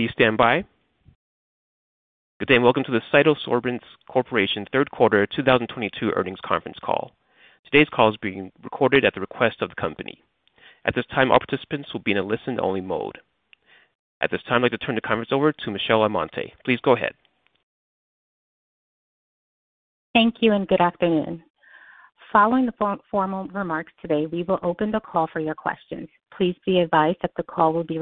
Please stand by. Good day, and welcome to the CytoSorbents Corporation Third Quarter 2022 Earnings Conference Call. Today's call is being recorded at the request of the company. At this time, all participants will be in a listen-only mode. At this time, I'd like to turn the conference over to Michelle Almonte. Please go ahead. Thank you and good afternoon. Following the formal remarks today, we will open the call for your questions. Please be advised that the call will be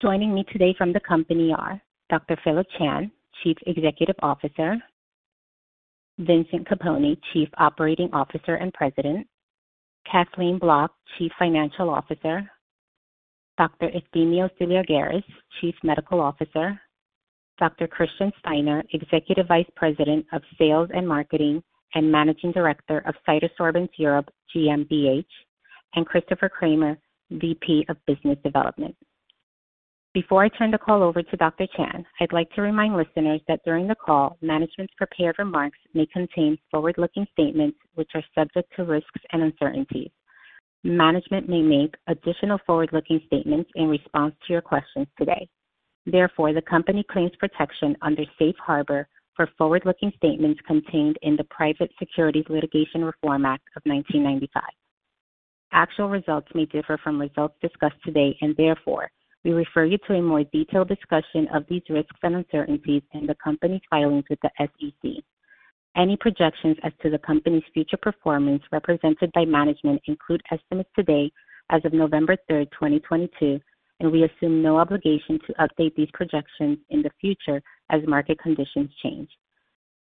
recorded at the company's request. Joining me today from the company are Dr. Phillip Chan, Chief Executive Officer, Vincent Capponi, Chief Operating Officer and President, Kathleen Bloch, Chief Financial Officer, Dr. Efthymios Deliargyris, Chief Medical Officer, Dr. Christian Steiner, Executive Vice President of Sales and Marketing and Managing Director of CytoSorbents Europe GmbH, and Christopher Cramer, VP of Business Development. Before I turn the call over to Dr. Chan, I'd like to remind listeners that during the call, management's prepared remarks may contain forward-looking statements which are subject to risks and uncertainties. Management may make additional forward-looking statements in response to your questions today. Therefore, the company claims protection under Safe Harbor for forward-looking statements contained in the Private Securities Litigation Reform Act of 1995. Actual results may differ from results discussed today, and therefore, we refer you to a more detailed discussion of these risks and uncertainties in the company's filings with the SEC. Any projections as to the company's future performance represented by management include estimates today as of November 3rd, 2022, and we assume no obligation to update these projections in the future as market conditions change.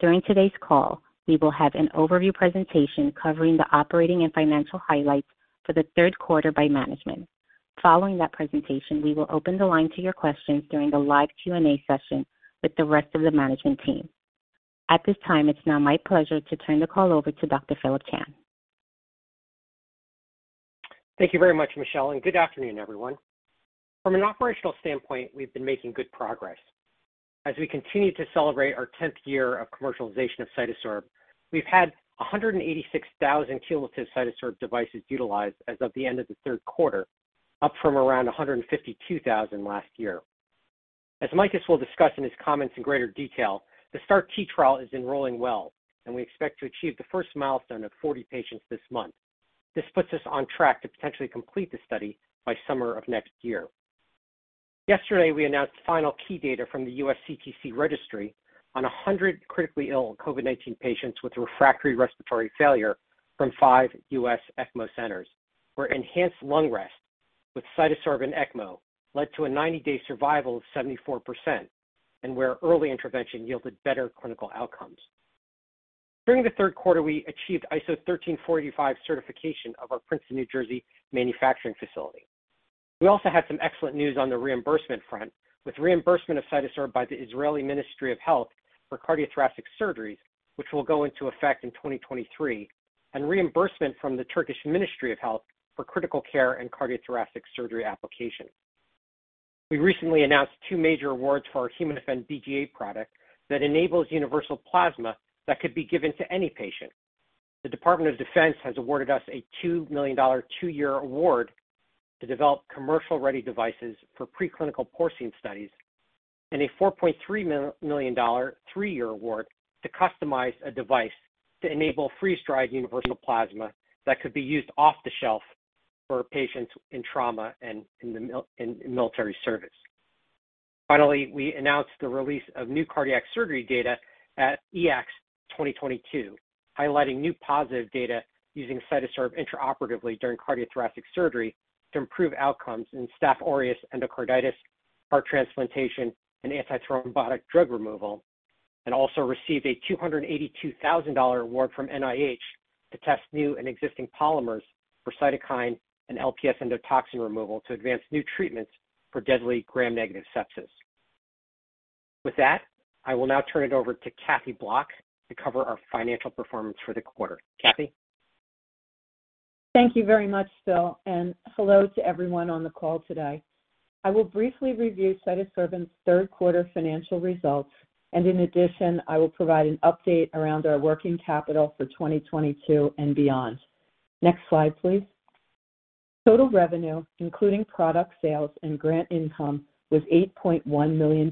During today's call, we will have an overview presentation covering the operating and financial highlights for the third quarter by management. Following that presentation, we will open the line to your questions during the live Q&A session with the rest of the management team. At this time, it's now my pleasure to turn the call over to Dr. Phillip Chan. Thank you very much, Michelle, and good afternoon, everyone. From an operational standpoint, we've been making good progress. As we continue to celebrate our 10th year of commercialization of CytoSorb, we've had 186,000 cumulative of CytoSorb devices utilized as of the end of the third quarter, up from around 152,000 last year. As Makis will discuss in his comments in greater detail, the STAR-T trial is enrolling well, and we expect to achieve the first milestone of 40 patients this month. This puts us on track to potentially complete the study by summer of next year. Yesterday, we announced final key data from the U.S. CTC registry on 100 critically ill COVID-19 patients with refractory respiratory failure from five U.S. ECMO centers, where enhanced lung rest with CytoSorb and ECMO led to a 90-day survival of 74% and where early intervention yielded better clinical outcomes. During the third quarter, we achieved ISO 13485 certification of our Princeton, New Jersey manufacturing facility. We also had some excellent news on the reimbursement front, with reimbursement of CytoSorb by the Israeli Ministry of Health for cardiothoracic surgeries, which will go into effect in 2023, and reimbursement from the Turkish Ministry of Health for critical care and cardiothoracic surgery application. We recently announced two major awards for our HemoDefend-BGA product that enables universal plasma that could be given to any patient. The Department of Defense has awarded us a $2 million two-year award to develop commercial-ready devices for preclinical porcine studies and a $4.3 million three-year award to customize a device to enable freeze-dried universal plasma that could be used off the shelf for patients in trauma and in military service. Finally, we announced the release of new cardiac surgery data at EACTS 2022, highlighting new positive data using CytoSorb intraoperatively during cardiothoracic surgery to improve outcomes in Staph aureus endocarditis, heart transplantation, and antithrombotic drug removal, and also received a $282,000 award from NIH to test new and existing polymers for cytokine and LPS endotoxin removal to advance new treatments for deadly gram-negative sepsis. With that, I will now turn it over to Kathy Bloch to cover our financial performance for the quarter. Kathy? Thank you very much, Phil, and hello to everyone on the call today. I will briefly review CytoSorbents' third quarter financial results, and in addition, I will provide an update around our working capital for 2022 and beyond. Next slide, please. Total revenue, including product sales and grant income, was $8.1 million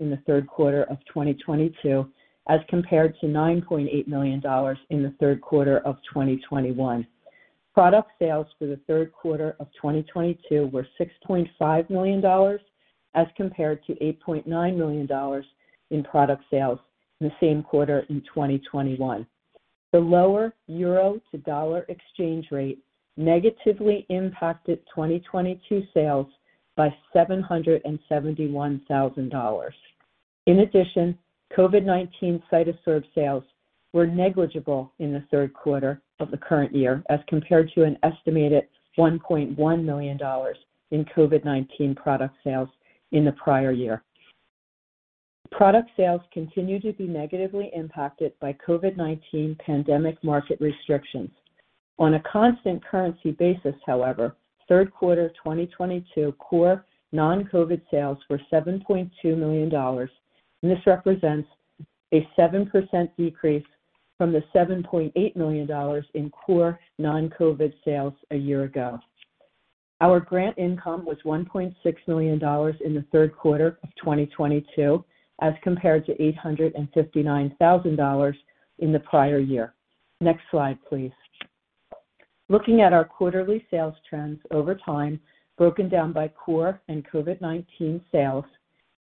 in the third quarter of 2022, as compared to $9.8 million in the third quarter of 2021. Product sales for the third quarter of 2022 were $6.5 million, as compared to $8.9 million in product sales in the same quarter in 2021. The lower euro-to-dollar exchange rate negatively impacted 2022 sales by $771,000. In addition, COVID-19 CytoSorb sales were negligible in the third quarter of the current year, as compared to an estimated $1.1 million in COVID-19 product sales in the prior year. Product sales continue to be negatively impacted by COVID-19 pandemic market restrictions. On a constant currency basis, however, third quarter 2022 core non-COVID sales were $7.2 million, and this represents a 7% decrease from the $7.8 million in core non-COVID sales a year ago. Our grant income was $1.6 million in the third quarter of 2022, as compared to $859,000 in the prior year. Next slide, please. Looking at our quarterly sales trends over time, broken down by core and COVID-19 sales,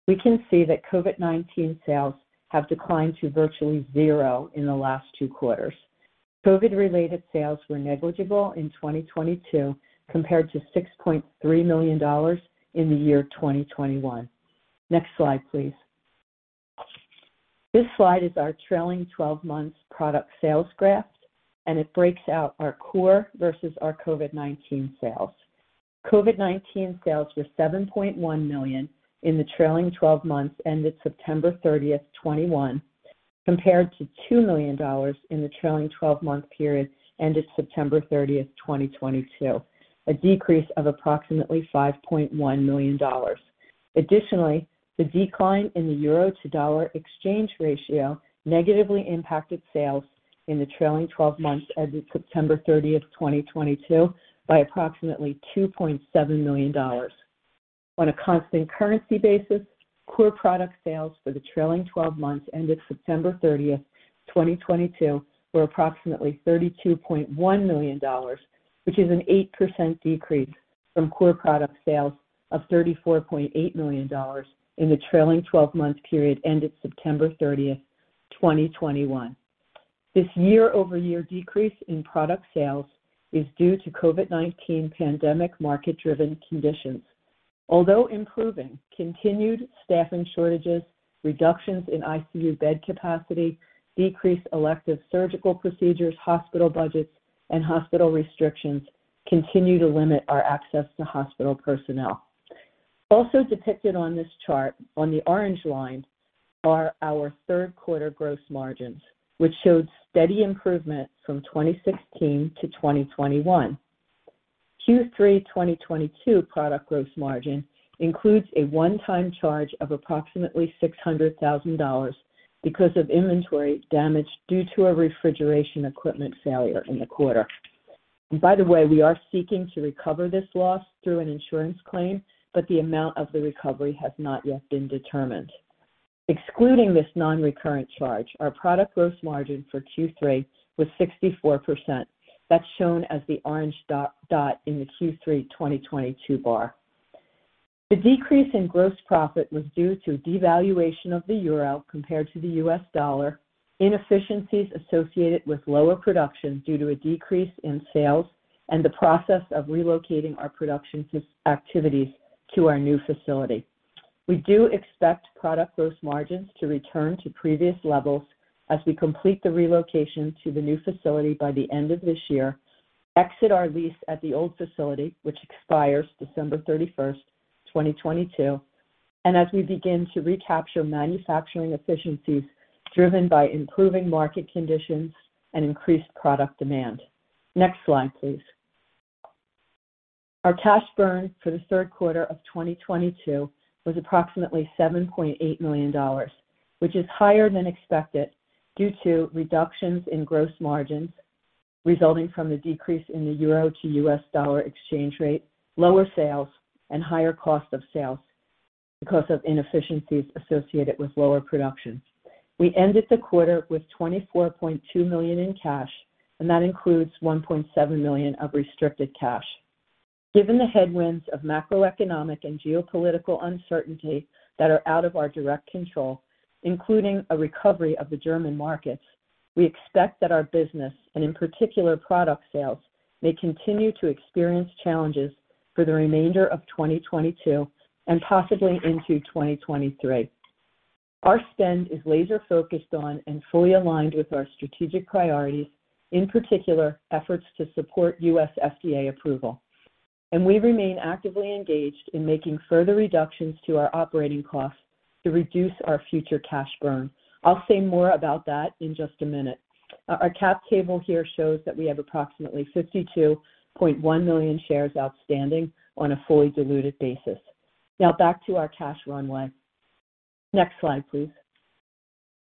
we can see that COVID-19 sales have declined to virtually zero in the last two quarters. COVID-related sales were negligible in 2022 compared to $6.3 million in the year 2021. Next slide, please. This slide is our trailing 12-months product sales graph, and it breaks out our core versus our COVID-19 sales. COVID-19 sales were $7.1 million in the trailing 12-months ended September 30th, 2021, compared to $2 million in the trailing 12-month period ended September 30th, 2022, a decrease of approximately $5.1 million. Additionally, the decline in the euro to dollar exchange ratio negatively impacted sales in the trailing 12-months ended September 30th, 2022 by approximately $2.7 million. On a constant currency basis, core product sales for the trailing 12-months ended September 30th, 2022 were approximately $32.1 million, which is an 8% decrease from core product sales of $34.8 million in the trailing 12-month period ended September 30th, 2021. This year-over-year decrease in product sales is due to COVID-19 pandemic market-driven conditions. Although improving, continued staffing shortages, reductions in ICU bed capacity, decreased elective surgical procedures, hospital budgets, and hospital restrictions continue to limit our access to hospital personnel. Also depicted on this chart on the orange line are our third quarter gross margins, which showed steady improvement from 2016-2021. Q3 2022 product gross margin includes a one-time charge of approximately $600,000 because of inventory damage due to a refrigeration equipment failure in the quarter. By the way, we are seeking to recover this loss through an insurance claim, but the amount of the recovery has not yet been determined. Excluding this non-recurring charge, our product gross margin for Q3 was 64%. That's shown as the orange dot in the Q3 2022 bar. The decrease in gross profit was due to devaluation of the euro compared to the U.S. dollar, inefficiencies associated with lower production due to a decrease in sales, and the process of relocating our production activities to our new facility. We do expect product gross margins to return to previous levels as we complete the relocation to the new facility by the end of this year, exit our lease at the old facility, which expires December 31st, 2022, and as we begin to recapture manufacturing efficiencies driven by improving market conditions and increased product demand. Next slide, please. Our cash burn for the third quarter of 2022 was approximately $7.8 million, which is higher than expected due to reductions in gross margins resulting from the decrease in the euro to U.S. dollar exchange rate, lower sales, and higher cost of sales because of inefficiencies associated with lower production. We ended the quarter with $24.2 million in cash, and that includes $1.7 million of restricted cash. Given the headwinds of macroeconomic and geopolitical uncertainty that are out of our direct control, including a recovery of the German markets, we expect that our business, and in particular product sales, may continue to experience challenges for the remainder of 2022 and possibly into 2023. Our spend is laser-focused on and fully aligned with our strategic priorities, in particular, efforts to support U.S. FDA approval. We remain actively engaged in making further reductions to our operating costs to reduce our future cash burn. I'll say more about that in just a minute. Our cap table here shows that we have approximately 52.1 million shares outstanding on a fully diluted basis. Now back to our cash runway. Next slide, please.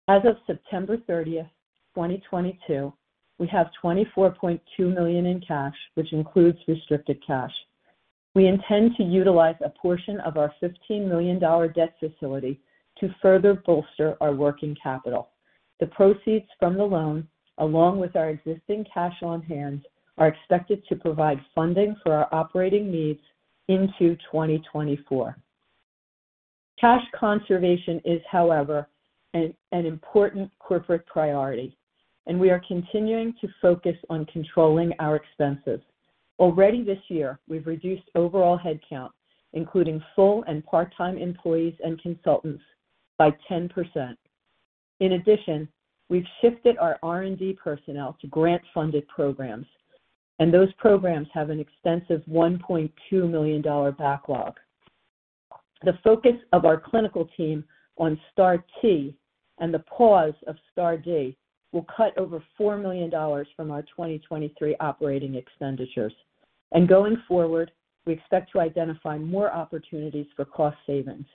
As of September 30th, 2022, we have $24.2 million in cash, which includes restricted cash. We intend to utilize a portion of our $15 million debt facility to further bolster our working capital. The proceeds from the loan, along with our existing cash on-hand, are expected to provide funding for our operating needs into 2024. Cash conservation is, however, an important corporate priority, and we are continuing to focus on controlling our expenses. Already this year, we've reduced overall headcount, including full- and part-time employees and consultants, by 10%. In addition, we've shifted our R&D personnel to grant-funded programs, and those programs have an extensive $1.2 million backlog. The focus of our clinical team on STAR-T and the pause of STAR-D will cut over $4 million from our 2023 operating expenditures. Going forward, we expect to identify more opportunities for cost savings.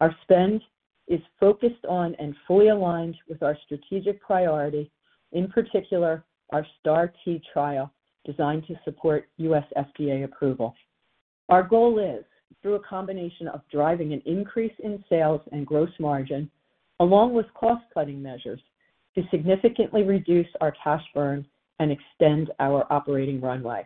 Our spend is focused on and fully aligned with our strategic priority, in particular our STAR-T trial designed to support U.S. FDA approval. Our goal is, through a combination of driving an increase in sales and gross margin along with cost-cutting measures, to significantly reduce our cash burn and extend our operating runway.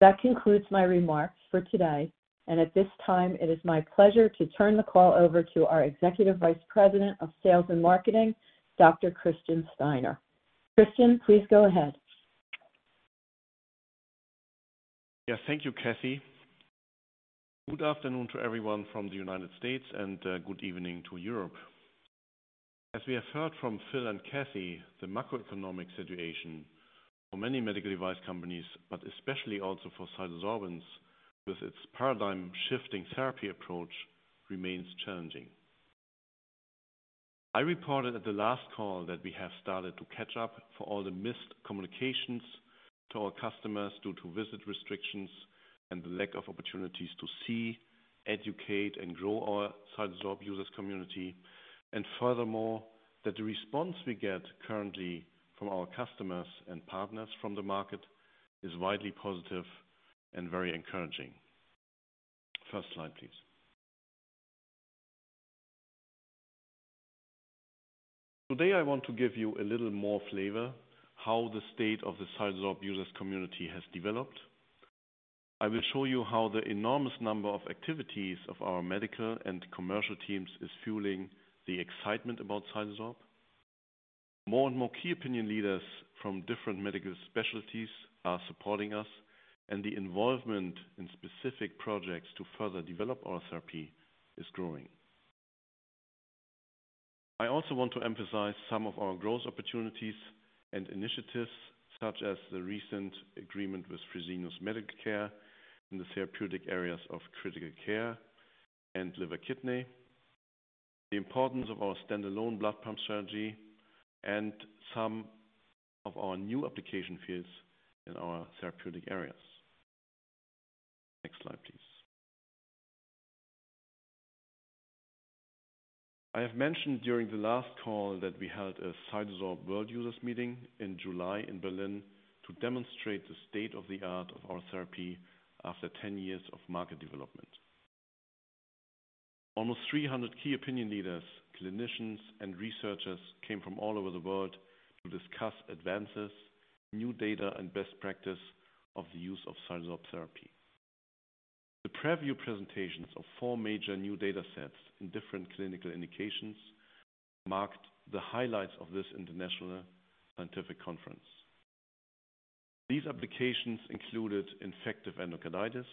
That concludes my remarks for today, and at this time, it is my pleasure to turn the call over to our Executive Vice President of Sales and Marketing, Dr. Christian Steiner. Christian, please go ahead. Yes, thank you, Kathy. Good afternoon to everyone from the United States, and good evening to Europe. As we have heard from Phil and Kathy, the macroeconomic situation for many medical device companies, but especially also for CytoSorbents, with its paradigm-shifting therapy approach, remains challenging. I reported at the last call that we have started to catch up for all the missed communications to our customers due to visit restrictions and the lack of opportunities to see, educate, and grow our CytoSorb users community, and furthermore, that the response we get currently from our customers and partners from the market is widely positive and very encouraging. First slide, please. Today, I want to give you a little more flavor how the state of the CytoSorb users community has developed. I will show you how the enormous number of activities of our medical and commercial teams is fueling the excitement about CytoSorb. More and more key opinion leaders from different medical specialties are supporting us, and the involvement in specific projects to further develop our therapy is growing. I also want to emphasize some of our growth opportunities and initiatives, such as the recent agreement with Fresenius Medical Care in the therapeutic areas of critical care and liver-kidney, the importance of our standalone blood pump strategy, and some of our new application fields in our therapeutic areas. Next slide, please. I have mentioned during the last call that we held a CytoSorb world users meeting in July in Berlin to demonstrate the state-of-the-art of our therapy after 10 years of market development. Almost 300 key opinion leaders, clinicians, and researchers came from all over the world to discuss advances, new data, and best practice of the use of CytoSorb therapy. The preview presentations of four major new data sets in different clinical indications marked the highlights of this international scientific conference. These applications included infective endocarditis,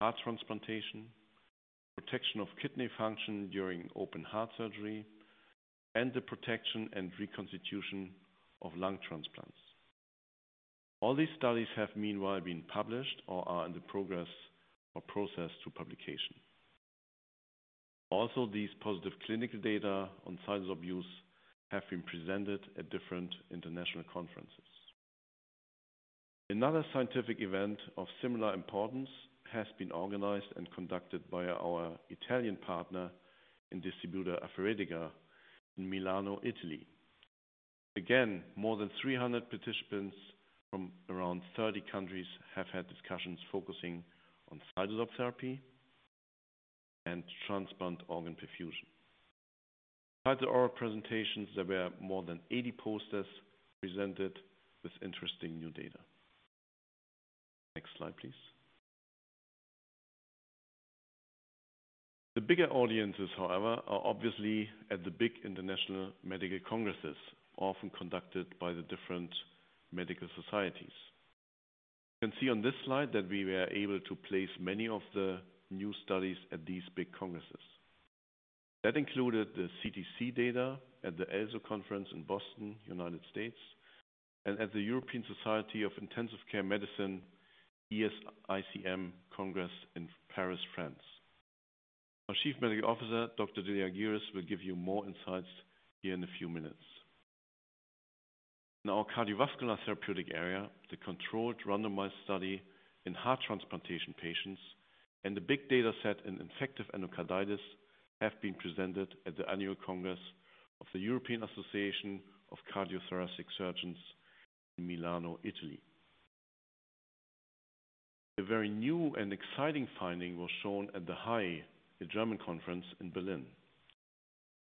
heart transplantation, protection of kidney function during open heart surgery, and the protection and reconstitution of lung transplants. All these studies have meanwhile been published or are in the progress or process to publication. Also, these positive clinical data on CytoSorb use have been presented at different international conferences. Another scientific event of similar importance has been organized and conducted by our Italian partner and distributor, Aferetica, in Milano, Italy. Again, more than 300 participants from around 30 countries have had discussions focusing on CytoSorb therapy and transplant organ perfusion. Other oral presentations, there were more than 80 posters presented with interesting new data. Next slide, please. The bigger audiences, however, are obviously at the big international medical congresses, often conducted by the different medical societies. You can see on this slide that we were able to place many of the new studies at these big congresses. That included the CTC data at the ELSO conference in Boston, United States, and at the European Society of Intensive Care Medicine, ESICM Congress in Paris, France. Our Chief Medical Officer, Dr. Deliargyris, will give you more insights here in a few minutes. In our cardiovascular therapeutic area, the controlled randomized study in heart transplantation patients and the big data set in infective endocarditis have been presented at the annual congress of the European Association for Cardio-Thoracic Surgery in Milano, Italy. A very new and exciting finding was shown at the HAI, a German conference in Berlin.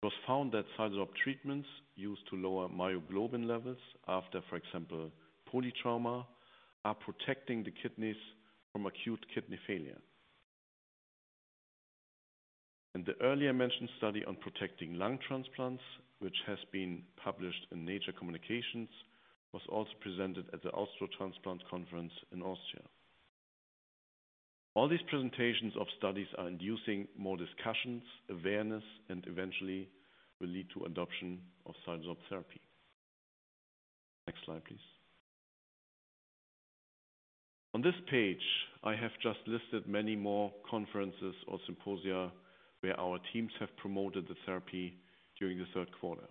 It was found that CytoSorb treatments used to lower myoglobin levels after, for example, polytrauma, are protecting the kidneys from acute kidney failure. The earlier mentioned study on protecting lung transplants, which has been published in Nature Communications, was also presented at the Austrotransplant conference in Austria. All these presentations of studies are inducing more discussions, awareness, and eventually will lead to adoption of CytoSorb Therapy. Next slide, please. On this page, I have just listed many more conferences or symposia where our teams have promoted the therapy during the third quarter.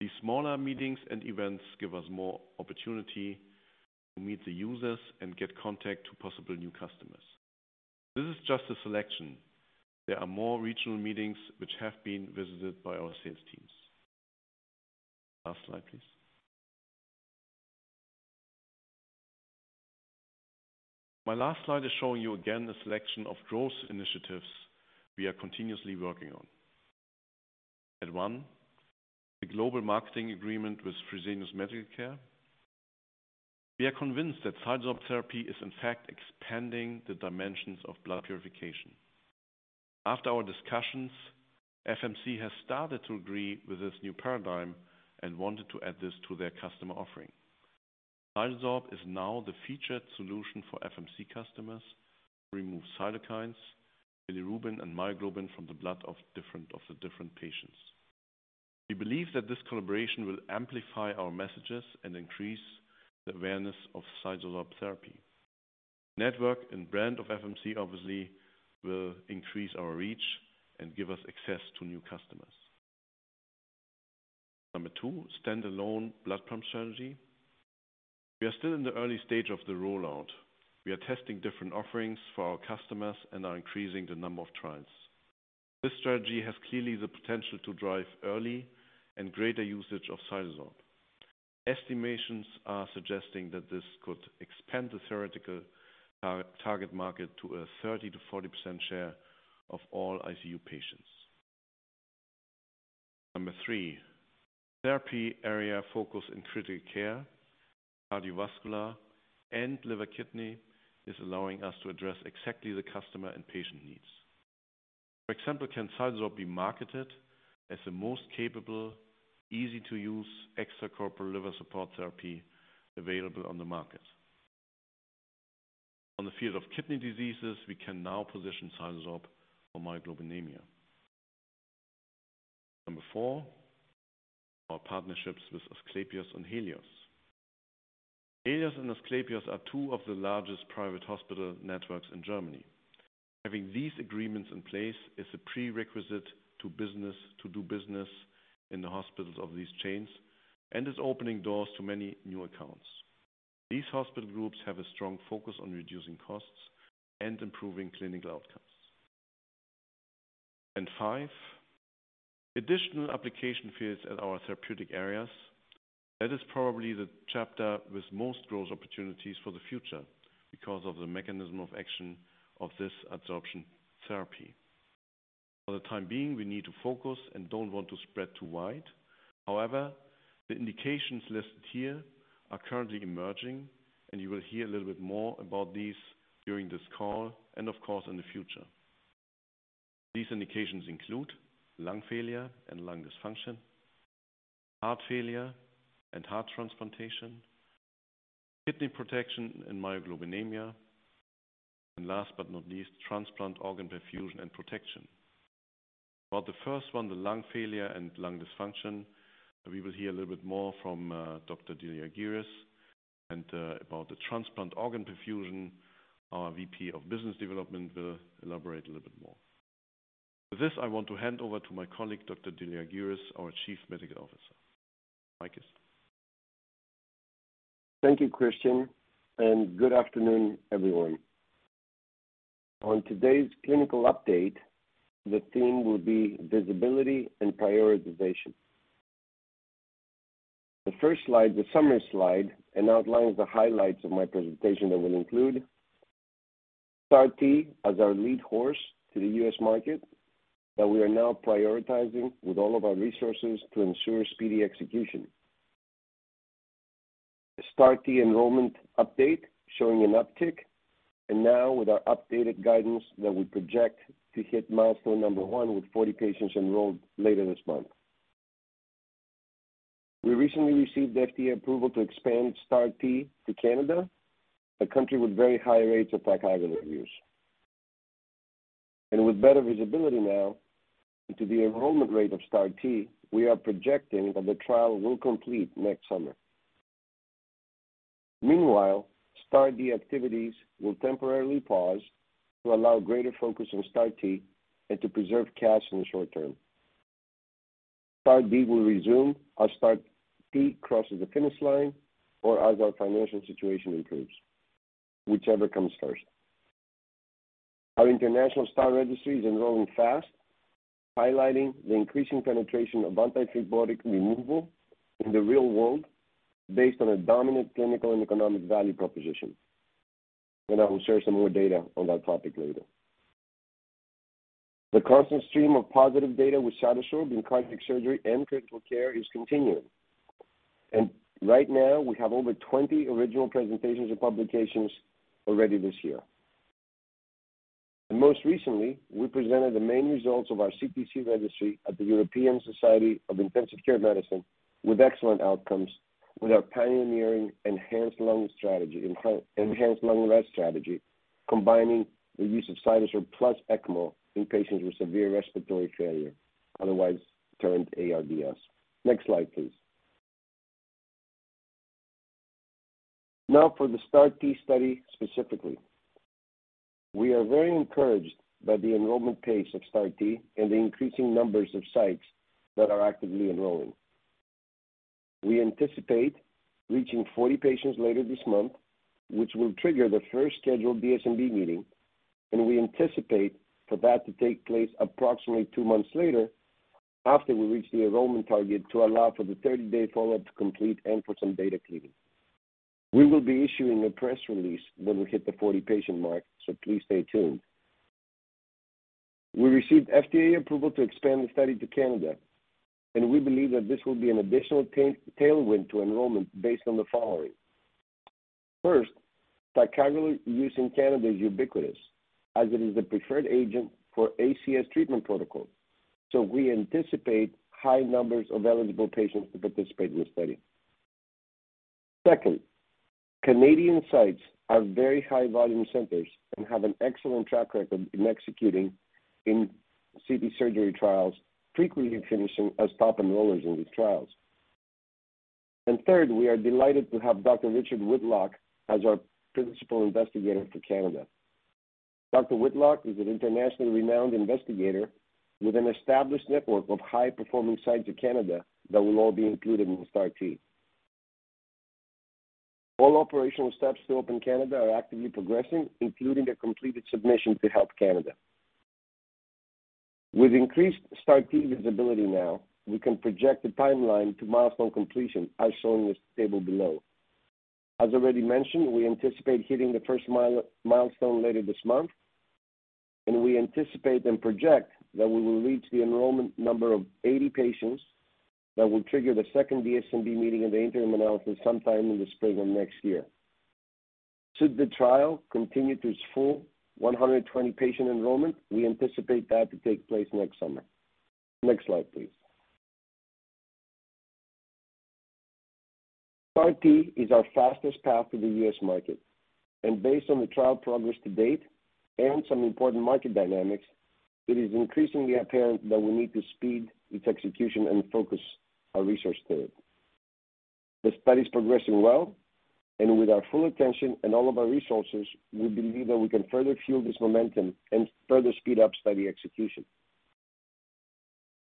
These smaller meetings and events give us more opportunity to meet the users and get contact to possible new customers. This is just a selection. There are more regional meetings which have been visited by our sales teams. Last slide, please. My last slide is showing you again the selection of growth initiatives we are continuously working on. Number one, the global marketing agreement with Fresenius Medical Care. We are convinced that CytoSorb Therapy is in fact expanding the dimensions of blood purification. After our discussions, FMC has started to agree with this new paradigm and wanted to add this to their customer offering. CytoSorb is now the featured solution for FMC customers to remove cytokines, bilirubin, and myoglobin from the blood of the different patients. We believe that this collaboration will amplify our messages and increase the awareness of CytoSorb Therapy. Network and brand of FMC obviously will increase our reach and give us access to new customers. Number two, stand-alone blood pump strategy. We are still in the early stage of the rollout. We are testing different offerings for our customers and are increasing the number of trials. This strategy has clearly the potential to drive early and greater usage of CytoSorb. Estimations are suggesting that this could expand the theoretical target market to a 30%-40% share of all ICU patients. Number three, therapy area focus in critical care, cardiovascular and liver-kidney is allowing us to address exactly the customer and patient needs. For example, can CytoSorb be marketed as the most capable, easy to use extracorporeal liver support therapy available on the market. On the field of kidney diseases, we can now position CytoSorb for myoglobinemia. Number four, our partnerships with Asklepios and Helios. Helios and Asklepios are two of the largest private hospital networks in Germany. Having these agreements in place is a prerequisite to do business in the hospitals of these chains and is opening doors to many new accounts. These hospital groups have a strong focus on reducing costs and improving clinical outcomes. Five, additional application fields at our therapeutic areas. That is probably the chapter with most growth opportunities for the future because of the mechanism of action of this adsorption therapy. For the time being, we need to focus and don't want to spread too wide. However, the indications listed here are currently emerging, and you will hear a little bit more about these during this call and of course, in the future. These indications include lung failure and lung dysfunction, heart failure and heart transplantation, kidney protection and myoglobinemia. Last but not least, transplant organ perfusion and protection. For the first one, the lung failure and lung dysfunction, we will hear a little bit more from Dr. Deliargyris, and about the transplant organ perfusion, our VP of Business Development will elaborate a little bit more. With this, I want to hand over to my colleague, Dr. Deliargyris, our Chief Medical Officer, Makis. Thank you, Christian, and good afternoon, everyone. On today's clinical update, the theme will be visibility and prioritization. The first slide is a summary slide and outlines the highlights of my presentation that will include STAR-T as our lead horse to the U.S. market that we are now prioritizing with all of our resources to ensure speedy execution. STAR-T enrollment update showing an uptick. Now with our updated guidance that we project to hit milestone number one with 40 patients enrolled later this month. We recently received FDA approval to expand STAR-T to Canada, a country with very high rates of ticagrelor use. With better visibility now into the enrollment rate of STAR-T, we are projecting that the trial will complete next summer. Meanwhile, STAR-D activities will temporarily pause to allow greater focus on STAR-T and to preserve cash in the short term. STAR-D will resume as STAR-T crosses the finish line or as our financial situation improves, whichever comes first. Our international STAR registry is enrolling fast, highlighting the increasing penetration of antithrombotic removal in the real world based on a dominant clinical and economic value proposition. I will share some more data on that topic later. The constant stream of positive data with CytoSorb in cardiac surgery and critical care is continuing. Right now we have over 20 original presentations and publications already this year. Most recently, we presented the main results of our CTC registry at the European Society of Intensive Care Medicine with excellent outcomes with our pioneering enhanced lung rescue strategy, combining the use of CytoSorb plus ECMO in patients with severe respiratory failure, otherwise termed ARDS. Next slide, please. Now for the STAR-T study specifically. We are very encouraged by the enrollment pace of STAR-T and the increasing numbers of sites that are actively enrolling. We anticipate reaching 40 patients later this month, which will trigger the first scheduled DSMB meeting, and we anticipate for that to take place approximately two months later after we reach the enrollment target to allow for the 30-day follow-up to complete and for some data cleaning. We will be issuing a press release when we hit the 40-patient mark, so please stay tuned. We received FDA approval to expand the study to Canada, and we believe that this will be an additional tailwind to enrollment based on the following. First, ticagrelor use in Canada is ubiquitous as it is the preferred agent for ACS treatment protocol. We anticipate high numbers of eligible patients to participate in the study. Second, Canadian sites are very high volume centers and have an excellent track record in executing in CT surgery trials, frequently finishing as top enrollers in these trials. Third, we are delighted to have Dr. Richard Whitlock as our principal investigator for Canada. Dr. Whitlock is an internationally renowned investigator with an established network of high-performing sites in Canada that will all be included in STAR-T. All operational steps to open Canada are actively progressing, including a completed submission to Health Canada. With increased STAR-T visibility now, we can project the timeline to milestone completion as shown in this table below. As already mentioned, we anticipate hitting the first milestone later this month, and we anticipate and project that we will reach the enrollment number of 80 patients that will trigger the second DSMB meeting in the interim analysis sometime in the spring of next year. Should the trial continue to its full 120 patient enrollment, we anticipate that to take place next summer. Next slide, please. STAR-T is our fastest path to the U.S. market. Based on the trial progress to date and some important market dynamics, it is increasingly apparent that we need to speed its execution and focus our resource to it. The study's progressing well, and with our full attention and all of our resources, we believe that we can further fuel this momentum and further speed up study execution.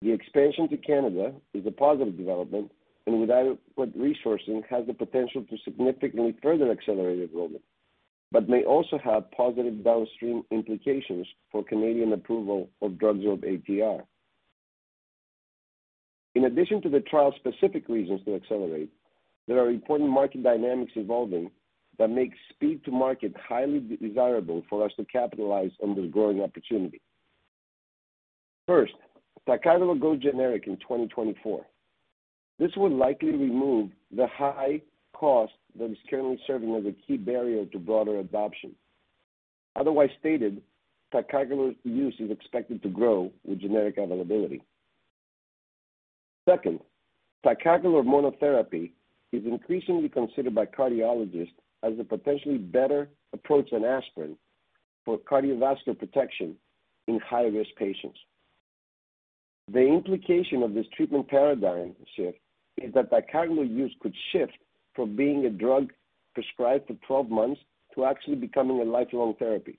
The expansion to Canada is a positive development, and with adequate resourcing, has the potential to significantly further accelerate enrollment, but may also have positive downstream implications for Canadian approval of DrugSorb-ATR. In addition to the trial-specific reasons to accelerate, there are important market dynamics evolving that make speed to market highly desirable for us to capitalize on this growing opportunity. First, ticagrelor will go generic in 2024. This will likely remove the high cost that is currently serving as a key barrier to broader adoption. Otherwise stated, ticagrelor use is expected to grow with generic availability. Second, ticagrelor monotherapy is increasingly considered by cardiologists as a potentially better approach than aspirin for cardiovascular protection in high-risk patients. The implication of this treatment paradigm shift is that ticagrelor use could shift from being a drug prescribed for 12 months to actually becoming a lifelong therapy.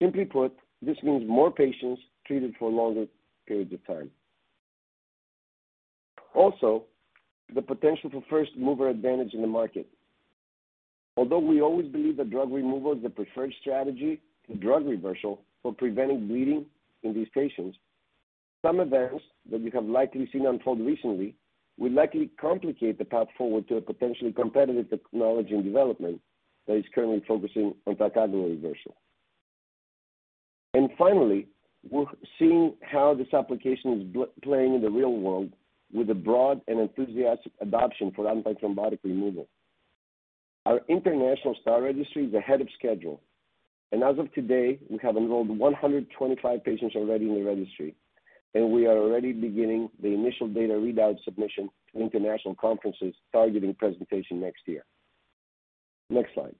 Simply put, this means more patients treated for longer periods of time. Also, the potential for first-mover advantage in the market. Although we always believe that drug removal is the preferred strategy to drug reversal for preventing bleeding in these patients, some events that we have likely seen unfold recently will likely complicate the path forward to a potentially competitive technology and development that is currently focusing on ticagrelor reversal. Finally, we're seeing how this application is playing in the real world with a broad and enthusiastic adoption for antithrombotic removal. Our international STAR registry is ahead of schedule. As of today, we have enrolled 125 patients already in the registry, and we are already beginning the initial data readout submission to international conferences targeting presentation next year. Next slide.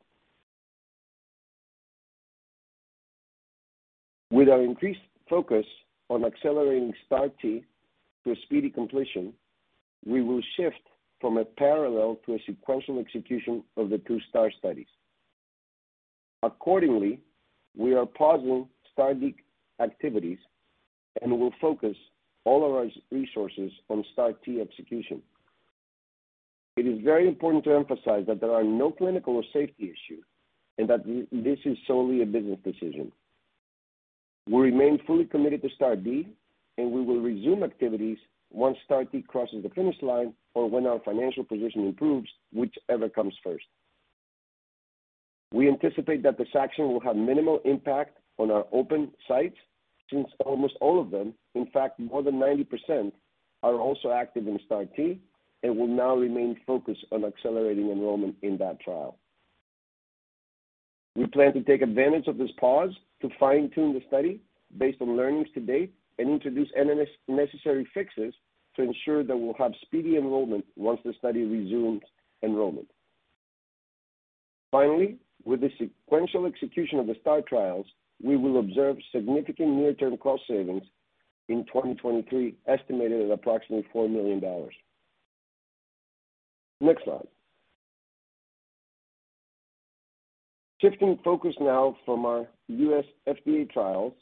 With our increased focus on accelerating STAR-T to a speedy completion, we will shift from a parallel to a sequential execution of the two STAR studies. Accordingly, we are pausing STAR-D activities and will focus all of our resources on STAR-T execution. It is very important to emphasize that there are no clinical or safety issue, and that this is solely a business decision. We remain fully committed to STAR-D, and we will resume activities once STAR-T crosses the finish line or when our financial position improves, whichever comes first. We anticipate that this action will have minimal impact on our open sites since almost all of them, in fact, more than 90%, are also active in STAR-T and will now remain focused on accelerating enrollment in that trial. We plan to take advantage of this pause to fine-tune the study based on learnings to date and introduce any necessary fixes to ensure that we'll have speedy enrollment once the study resumes enrollment. Finally, with the sequential execution of the STAR trials, we will observe significant near-term cost savings in 2023, estimated at approximately $4 million. Next slide. Shifting focus now from our U.S. FDA trials,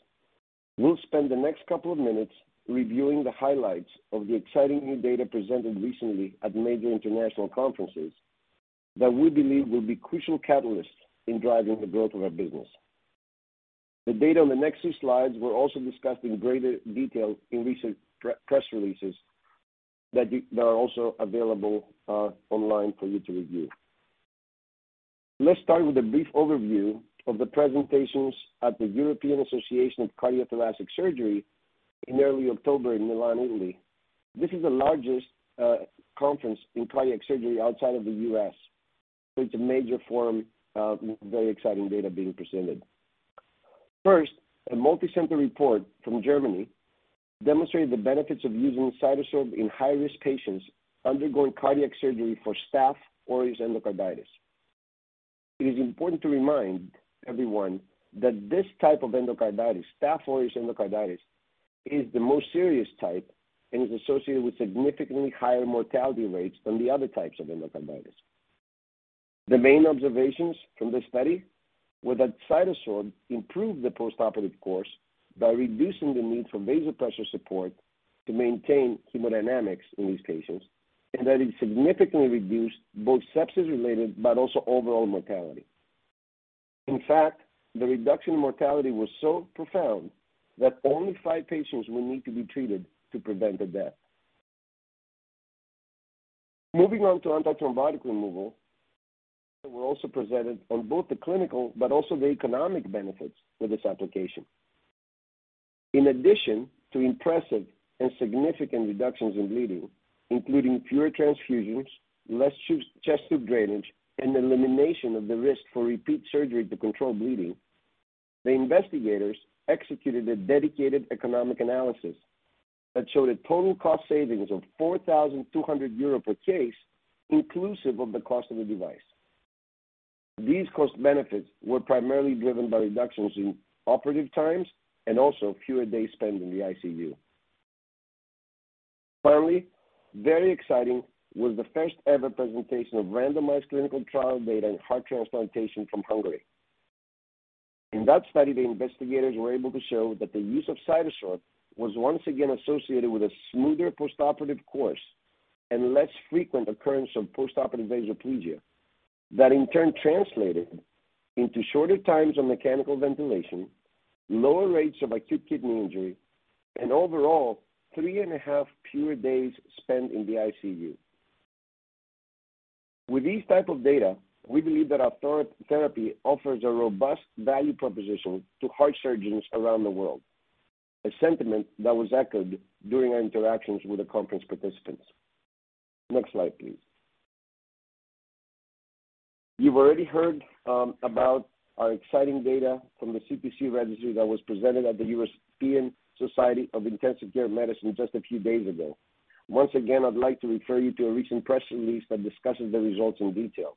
we'll spend the next couple of minutes reviewing the highlights of the exciting new data presented recently at major international conferences that we believe will be crucial catalysts in driving the growth of our business. The data on the next two slides were also discussed in greater detail in recent press releases that are also available, online for you to review. Let's start with a brief overview of the presentations at the European Association for Cardio-Thoracic Surgery in early October in Milan, Italy. This is the largest conference in cardiac surgery outside of the U.S., so it's a major forum with very exciting data being presented. First, a multi-center report from Germany demonstrated the benefits of using CytoSorb in high-risk patients undergoing cardiac surgery for Staph aureus endocarditis. It is important to remind everyone that this type of endocarditis, Staph aureus endocarditis, is the most serious type and is associated with significantly higher mortality rates than the other types of endocarditis. The main observations from this study were that CytoSorb improved the postoperative course by reducing the need for vasopressor support to maintain hemodynamics in these patients and that it significantly reduced both sepsis-related but also overall mortality. In fact, the reduction in mortality was so profound that only five patients will need to be treated to prevent a death. Moving on to antithrombotic removal, we were also presented on both the clinical but also the economic benefits for this application. In addition to impressive and significant reductions in bleeding, including fewer transfusions, less chest tube drainage, and elimination of the risk for repeat surgery to control bleeding, the investigators executed a dedicated economic analysis that showed a total cost savings of 4,200 euro per case, inclusive of the cost of the device. These cost benefits were primarily driven by reductions in operative times and also fewer days spent in the ICU. Finally, very exciting was the first-ever presentation of randomized clinical trial data in heart transplantation from Hungary. In that study, the investigators were able to show that the use of CytoSorb was once again associated with a smoother postoperative course and less frequent occurrence of postoperative vasoplegia. That in turn translated into shorter times on mechanical ventilation, lower rates of acute kidney injury, and overall three and a half fewer days spent in the ICU. With these type of data, we believe that our therapy offers a robust value proposition to heart surgeons around the world, a sentiment that was echoed during our interactions with the conference participants. Next slide, please. You've already heard about our exciting data from the CTC registry that was presented at the European Society of Intensive Care Medicine just a few days ago. Once again, I'd like to refer you to a recent press release that discusses the results in detail.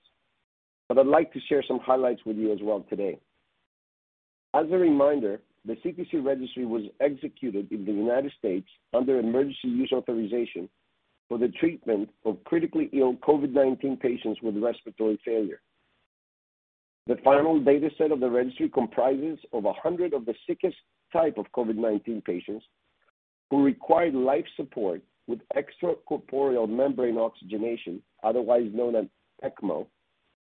I'd like to share some highlights with you as well today. As a reminder, the CTC registry was executed in the United States under emergency use authorization for the treatment of critically ill COVID-19 patients with respiratory failure. The final data set of the registry comprises 100 of the sickest type of COVID-19 patients who required life support with extracorporeal membrane oxygenation, otherwise known as ECMO,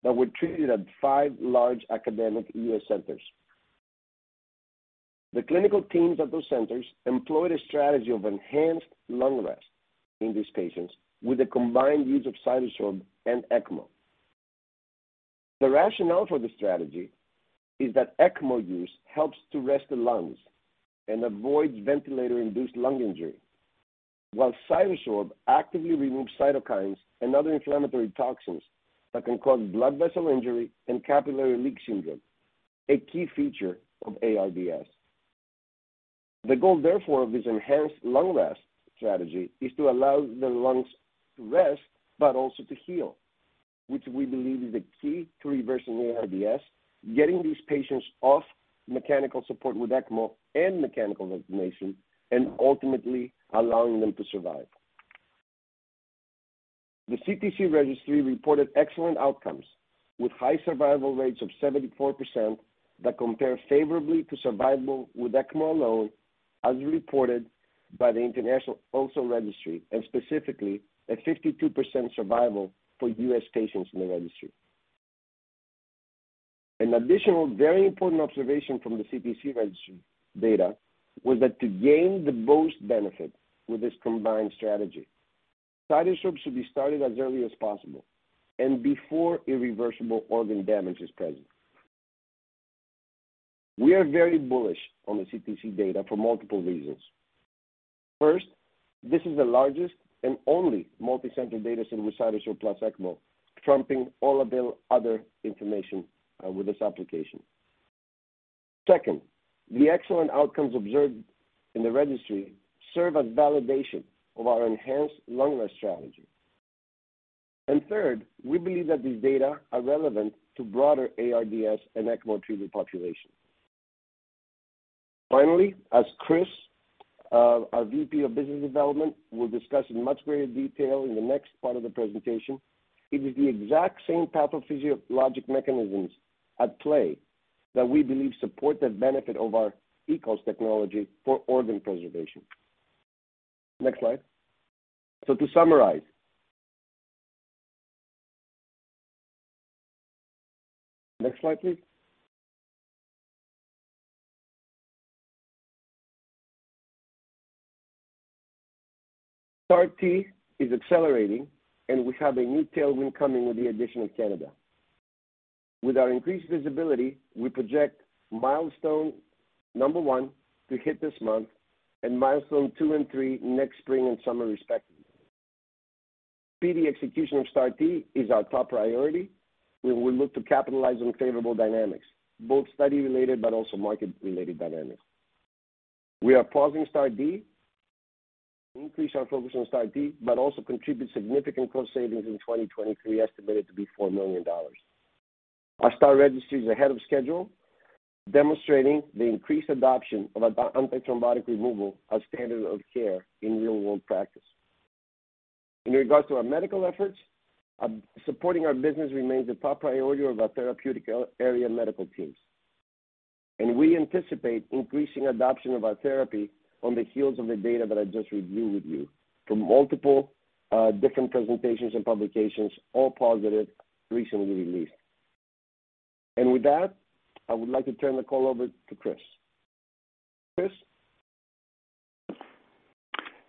that were treated at five large academic U.S. centers. The clinical teams at those centers employed a strategy of enhanced lung rest in these patients with the combined use of CytoSorb and ECMO. The rationale for this strategy is that ECMO use helps to rest the lungs and avoids ventilator-induced lung injury, while CytoSorb actively removes cytokines and other inflammatory toxins that can cause blood vessel injury and capillary leak syndrome, a key feature of ARDS. The goal, therefore, of this enhanced lung rest strategy is to allow the lungs to rest but also to heal, which we believe is the key to reversing ARDS, getting these patients off mechanical support with ECMO and mechanical ventilation, and ultimately allowing them to survive. The CTC registry reported excellent outcomes, with high survival rates of 74% that compare favorably to survival with ECMO alone as reported by the international ELSO registry, and specifically a 52% survival for U.S. patients in the registry. An additional very important observation from the CTC registry data was that to gain the most benefit with this combined strategy, CytoSorb should be started as early as possible and before irreversible organ damage is present. We are very bullish on the CTC data for multiple reasons. First, this is the largest and only multi-center data set with CytoSorb plus ECMO, trumping all available other information with this application. Second, the excellent outcomes observed in the registry serve as validation of our enhanced lungless strategy. Third, we believe that these data are relevant to broader ARDS and ECMO treated population. Finally, as Chris, our VP of Business Development, will discuss in much greater detail in the next part of the presentation, it is the exact same pathophysiologic mechanisms at play that we believe support the benefit of our ECOS technology for organ preservation. Next slide. To summarize. Next slide, please. STAR-T is accelerating, and we have a new tailwind coming with the addition of Canada. With our increased visibility, we project milestone number one to hit this month and milestone two and three next spring and summer respectively. Speedy execution of STAR-T is our top priority, where we look to capitalize on favorable dynamics, both study-related but also market-related dynamics. We are pausing STAR-D to increase our focus on STAR-T, but also contribute significant cost savings in 2023, estimated to be $4 million. Our STAR registry is ahead of schedule, demonstrating the increased adoption of antithrombotic removal as standard of care in real-world practice. In regards to our medical efforts, supporting our business remains a top priority of our therapeutic area medical teams. We anticipate increasing adoption of our therapy on the heels of the data that I just reviewed with you from multiple, different presentations and publications, all positive, recently released. With that, I would like to turn the call over to Chris. Chris?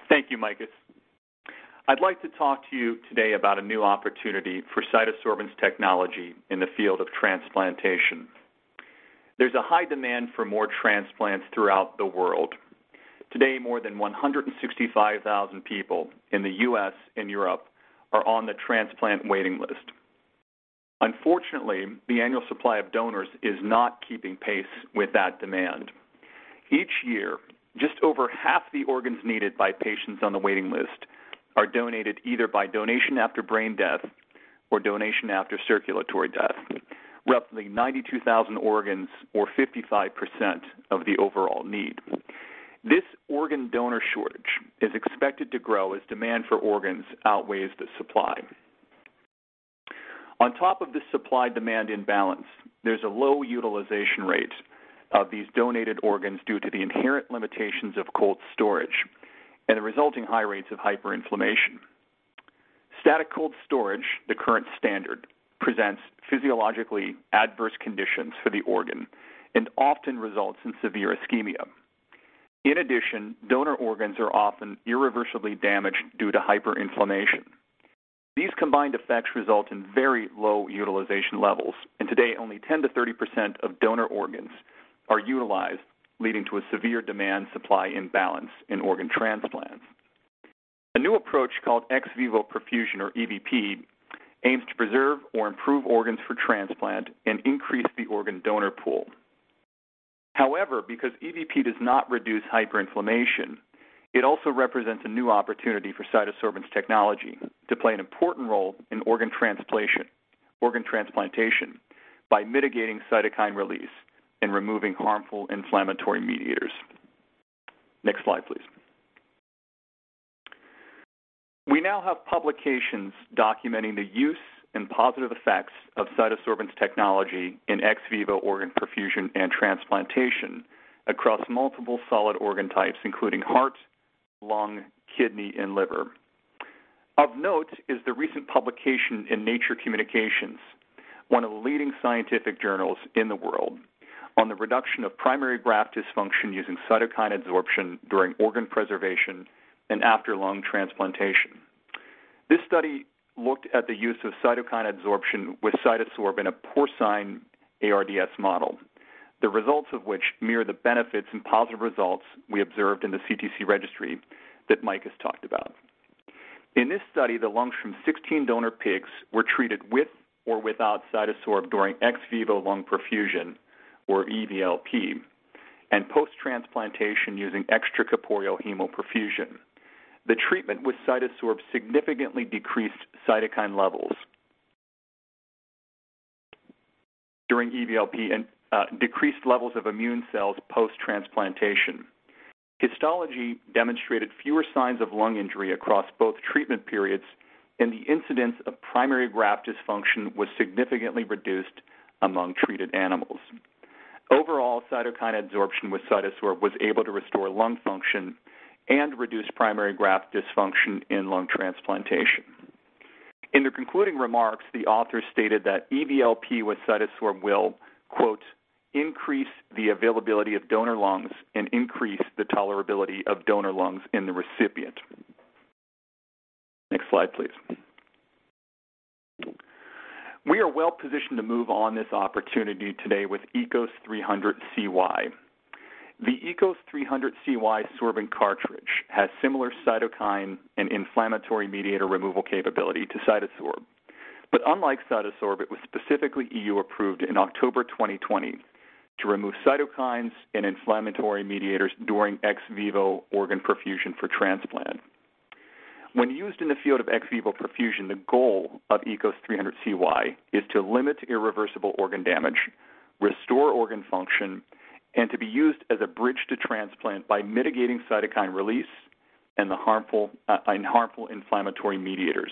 Thank you, Makis. I'd like to talk to you today about a new opportunity for CytoSorbents technology in the field of transplantation. There's a high demand for more transplants throughout the world. Today, more than 165,000 people in the U.S. and Europe are on the transplant waiting list. Unfortunately, the annual supply of donors is not keeping pace with that demand. Each year, just over half the organs needed by patients on the waiting list are donated either by donation after brain death or donation after circulatory death, roughly 92,000 organs or 55% of the overall need. This organ donor shortage is expected to grow as demand for organs outweighs the supply. On top of the supply-demand imbalance, there's a low utilization rate of these donated organs due to the inherent limitations of cold storage and the resulting high rates of hyperinflammation. Static cold storage, the current standard, presents physiologically adverse conditions for the organ and often results in severe ischemia. In addition, donor organs are often irreversibly damaged due to hyperinflammation. These combined effects result in very low utilization levels, and today only 10%-30% of donor organs are utilized, leading to a severe demand-supply imbalance in organ transplants. A new approach called ex vivo perfusion, or EVP, aims to preserve or improve organs for transplant and increase the organ donor pool. However, because EVP does not reduce hyperinflammation, it also represents a new opportunity for CytoSorbents technology to play an important role in organ transplantation by mitigating cytokine release and removing harmful inflammatory mediators. Next slide, please. We now have publications documenting the use and positive effects of CytoSorbents technology in ex vivo organ perfusion and transplantation across multiple solid organ types, including heart, lung, kidney, and liver. Of note is the recent publication in Nature Communications, one of the leading scientific journals in the world, on the reduction of primary graft dysfunction using cytokine adsorption during organ preservation and after lung transplantation. This study looked at the use of cytokine adsorption with CytoSorb in a porcine ARDS model, the results of which mirror the benefits and positive results we observed in the CTC registry that Makis talked about. In this study, the lungs from 16 donor pigs were treated with or without CytoSorb during ex vivo lung perfusion, or EVLP, and post-transplantation using extracorporeal hemoperfusion. The treatment with CytoSorb significantly decreased cytokine levels during EVLP and decreased levels of immune cells post-transplantation. Histology demonstrated fewer signs of lung injury across both treatment periods, and the incidence of primary graft dysfunction was significantly reduced among treated animals. Overall, cytokine adsorption with CytoSorb was able to restore lung function and reduce primary graft dysfunction in lung transplantation. In their concluding remarks, the author stated that EVLP with CytoSorb will, quote, "Increase the availability of donor lungs and increase the tolerability of donor lungs in the recipient." Next slide, please. We are well-positioned to move on this opportunity today with ECOS-300CY. The ECOS-300CY sorbent cartridge has similar cytokine and inflammatory mediator removal capability to CytoSorb. Unlike CytoSorb, it was specifically EU approved in October 2020 to remove cytokines and inflammatory mediators during ex vivo organ perfusion for transplant. When used in the field of ex vivo perfusion, the goal of ECOS-300CY is to limit irreversible organ damage, restore organ function, and to be used as a bridge to transplant by mitigating cytokine release and the harmful inflammatory mediators.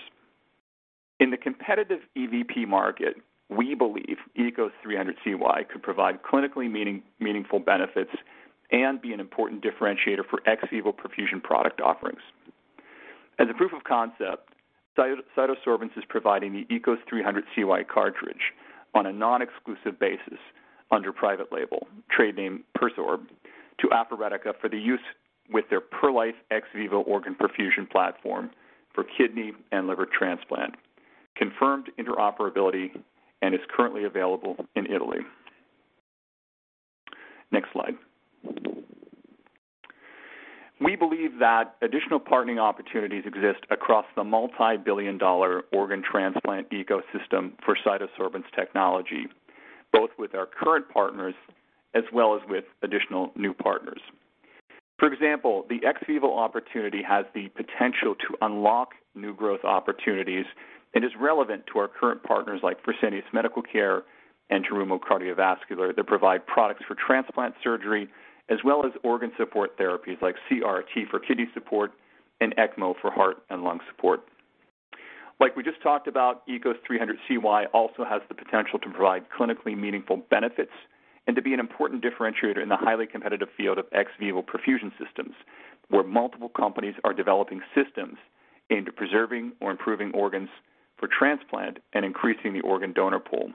In the competitive EVP market, we believe ECOS-300CY could provide clinically meaningful benefits and be an important differentiator for ex vivo perfusion product offerings. As a proof of concept, CytoSorbents is providing the ECOS-300CY cartridge on a non-exclusive basis under private label, trade name PerSorb, to Aferetica for the use with their PerLife ex vivo organ perfusion platform for kidney and liver transplant, confirmed interoperability, and is currently available in Italy. Next slide. We believe that additional partnering opportunities exist across the multi-billion-dollar organ transplant ecosystem for CytoSorbents technology, both with our current partners as well as with additional new partners. For example, the ex vivo opportunity has the potential to unlock new growth opportunities and is relevant to our current partners like Fresenius Medical Care and Terumo Cardiovascular that provide products for transplant surgery as well as organ support therapies like CRRT for kidney support and ECMO for heart and lung support. Like we just talked about, ECOS-300CY also has the potential to provide clinically meaningful benefits and to be an important differentiator in the highly competitive field of ex vivo perfusion systems, where multiple companies are developing systems aimed at preserving or improving organs for transplant and increasing the organ donor pool.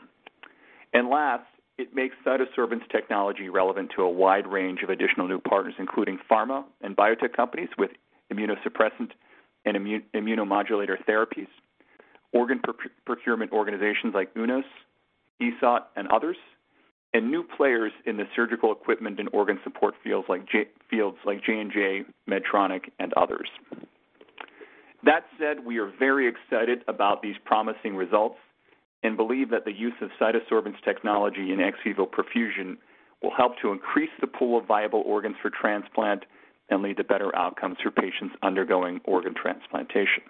Last, it makes CytoSorbents technology relevant to a wide range of additional new partners, including pharma and biotech companies with immunosuppressant and immunomodulator therapies, organ procurement organizations like UNOS, ESAT and others, and new players in the surgical equipment and organ support fields like J&J, Medtronic and others. That said, we are very excited about these promising results and believe that the use of CytoSorbents technology in ex vivo perfusion will help to increase the pool of viable organs for transplant and lead to better outcomes for patients undergoing organ transplantation.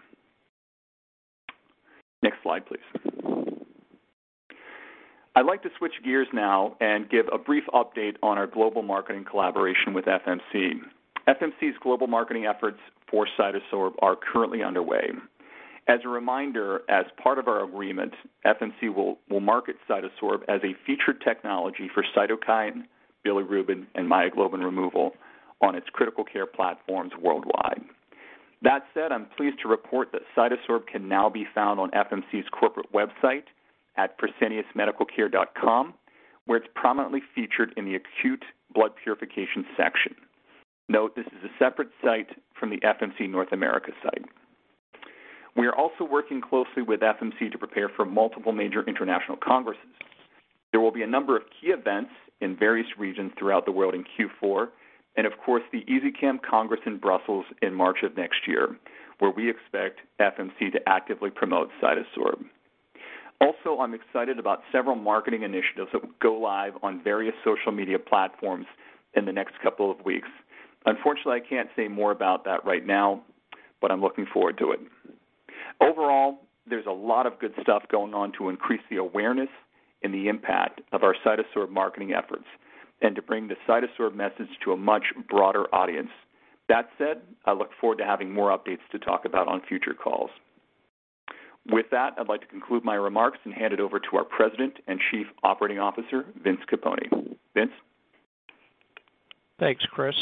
Next slide, please. I'd like to switch gears now and give a brief update on our global marketing collaboration with FMC. FMC's global marketing efforts for CytoSorb are currently underway. As a reminder, as part of our agreement, FMC will market CytoSorb as a featured technology for cytokine, bilirubin, and myoglobin removal on its critical care platforms worldwide. That said, I'm pleased to report that CytoSorb can now be found on FMC's corporate website at freseniusmedicalcare.com, where it's prominently featured in the acute blood purification section. Note this is a separate site from the FMC North America site. We are also working closely with FMC to prepare for multiple major international congresses. There will be a number of key events in various regions throughout the world in Q4, and of course, the ISICEM Congress in Brussels in March of next year, where we expect FMC to actively promote CytoSorb. Also, I'm excited about several marketing initiatives that will go live on various social media platforms in the next couple of weeks. Unfortunately, I can't say more about that right now, but I'm looking forward to it. Overall, there's a lot of good stuff going on to increase the awareness and the impact of our CytoSorb marketing efforts and to bring the CytoSorb message to a much broader audience. That said, I look forward to having more updates to talk about on future calls. With that, I'd like to conclude my remarks and hand it over to our President and Chief Operating Officer, Vince Capponi. Vince? Thanks, Chris.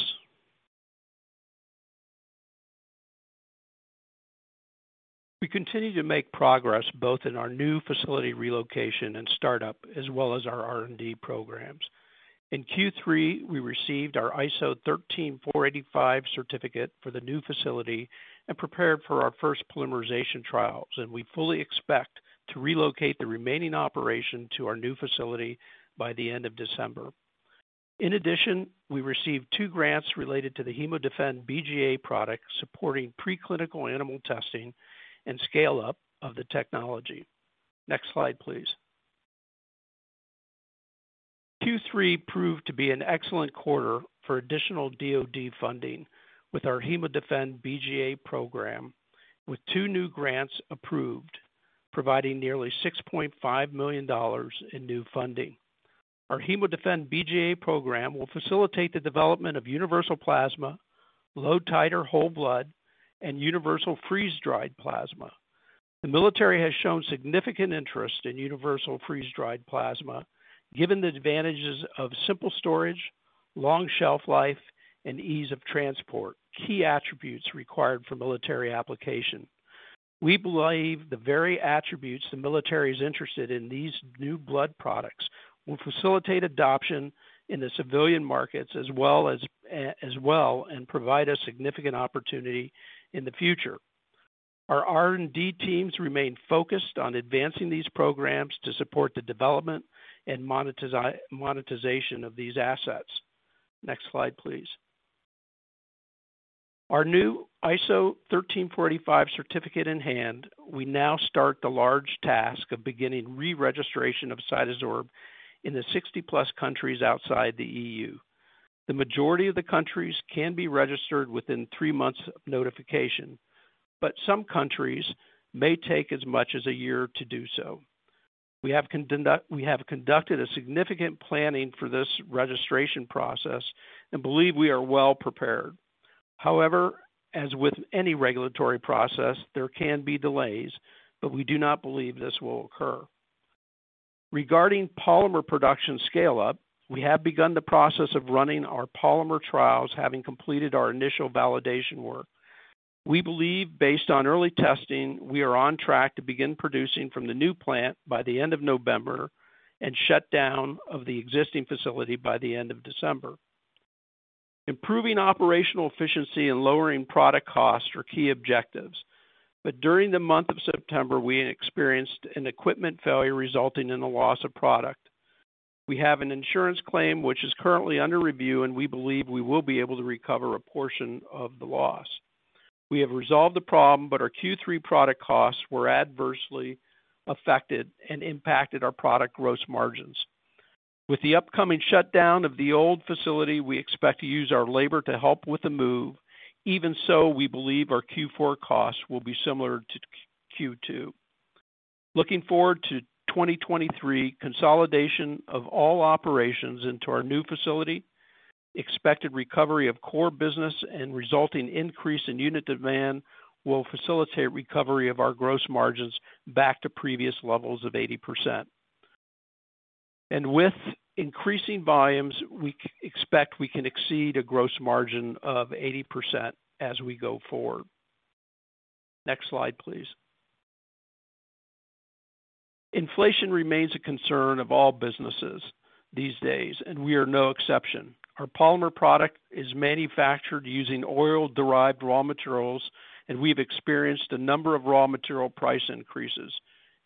We continue to make progress both in our new facility relocation and startup, as well as our R&D programs. In Q3, we received our ISO 13485 certificate for the new facility and prepared for our first polymerization trials, and we fully expect to relocate the remaining operation to our new facility by the end of December. In addition, we received two grants related to the HemoDefend-BGA product supporting preclinical animal testing and scale-up of the technology. Next slide, please. Q3 proved to be an excellent quarter for additional DoD funding with our HemoDefend-BGA program, with two new grants approved, providing nearly $6.5 million in new funding. Our HemoDefend-BGA program will facilitate the development of universal plasma, low-titer whole blood, and universal freeze-dried plasma. The military has shown significant interest in universal freeze-dried plasma, given the advantages of simple storage, long shelf life, and ease of transport, key attributes required for military application. We believe the very attributes the military is interested in these new blood products will facilitate adoption in the civilian markets as well as and provide a significant opportunity in the future. Our R&D teams remain focused on advancing these programs to support the development and monetization of these assets. Next slide, please. Our new ISO 13485 certificate in hand, we now start the large task of beginning re-registration of CytoSorb in the 60+ countries outside the EU. The majority of the countries can be registered within three months of notification, but some countries may take as much as a year to do so. We have conducted a significant planning for this registration process and believe we are well prepared. However, as with any regulatory process, there can be delays, but we do not believe this will occur. Regarding polymer production scale-up, we have begun the process of running our polymer trials, having completed our initial validation work. We believe based on early testing, we are on track to begin producing from the new plant by the end of November and shut down of the existing facility by the end of December. Improving operational efficiency and lowering product costs are key objectives. During the month of September, we experienced an equipment failure resulting in a loss of product. We have an insurance claim which is currently under review, and we believe we will be able to recover a portion of the loss. We have resolved the problem, but our Q3 product costs were adversely affected and impacted our product gross margins. With the upcoming shutdown of the old facility, we expect to use our labor to help with the move. Even so, we believe our Q4 costs will be similar to Q2. Looking forward to 2023, consolidation of all operations into our new facility, expected recovery of core business and resulting increase in unit demand will facilitate recovery of our gross margins back to previous levels of 80%. With increasing volumes, we expect we can exceed a gross margin of 80% as we go forward. Next slide, please. Inflation remains a concern of all businesses these days, and we are no exception. Our polymer product is manufactured using oil-derived raw materials, and we've experienced a number of raw material price increases.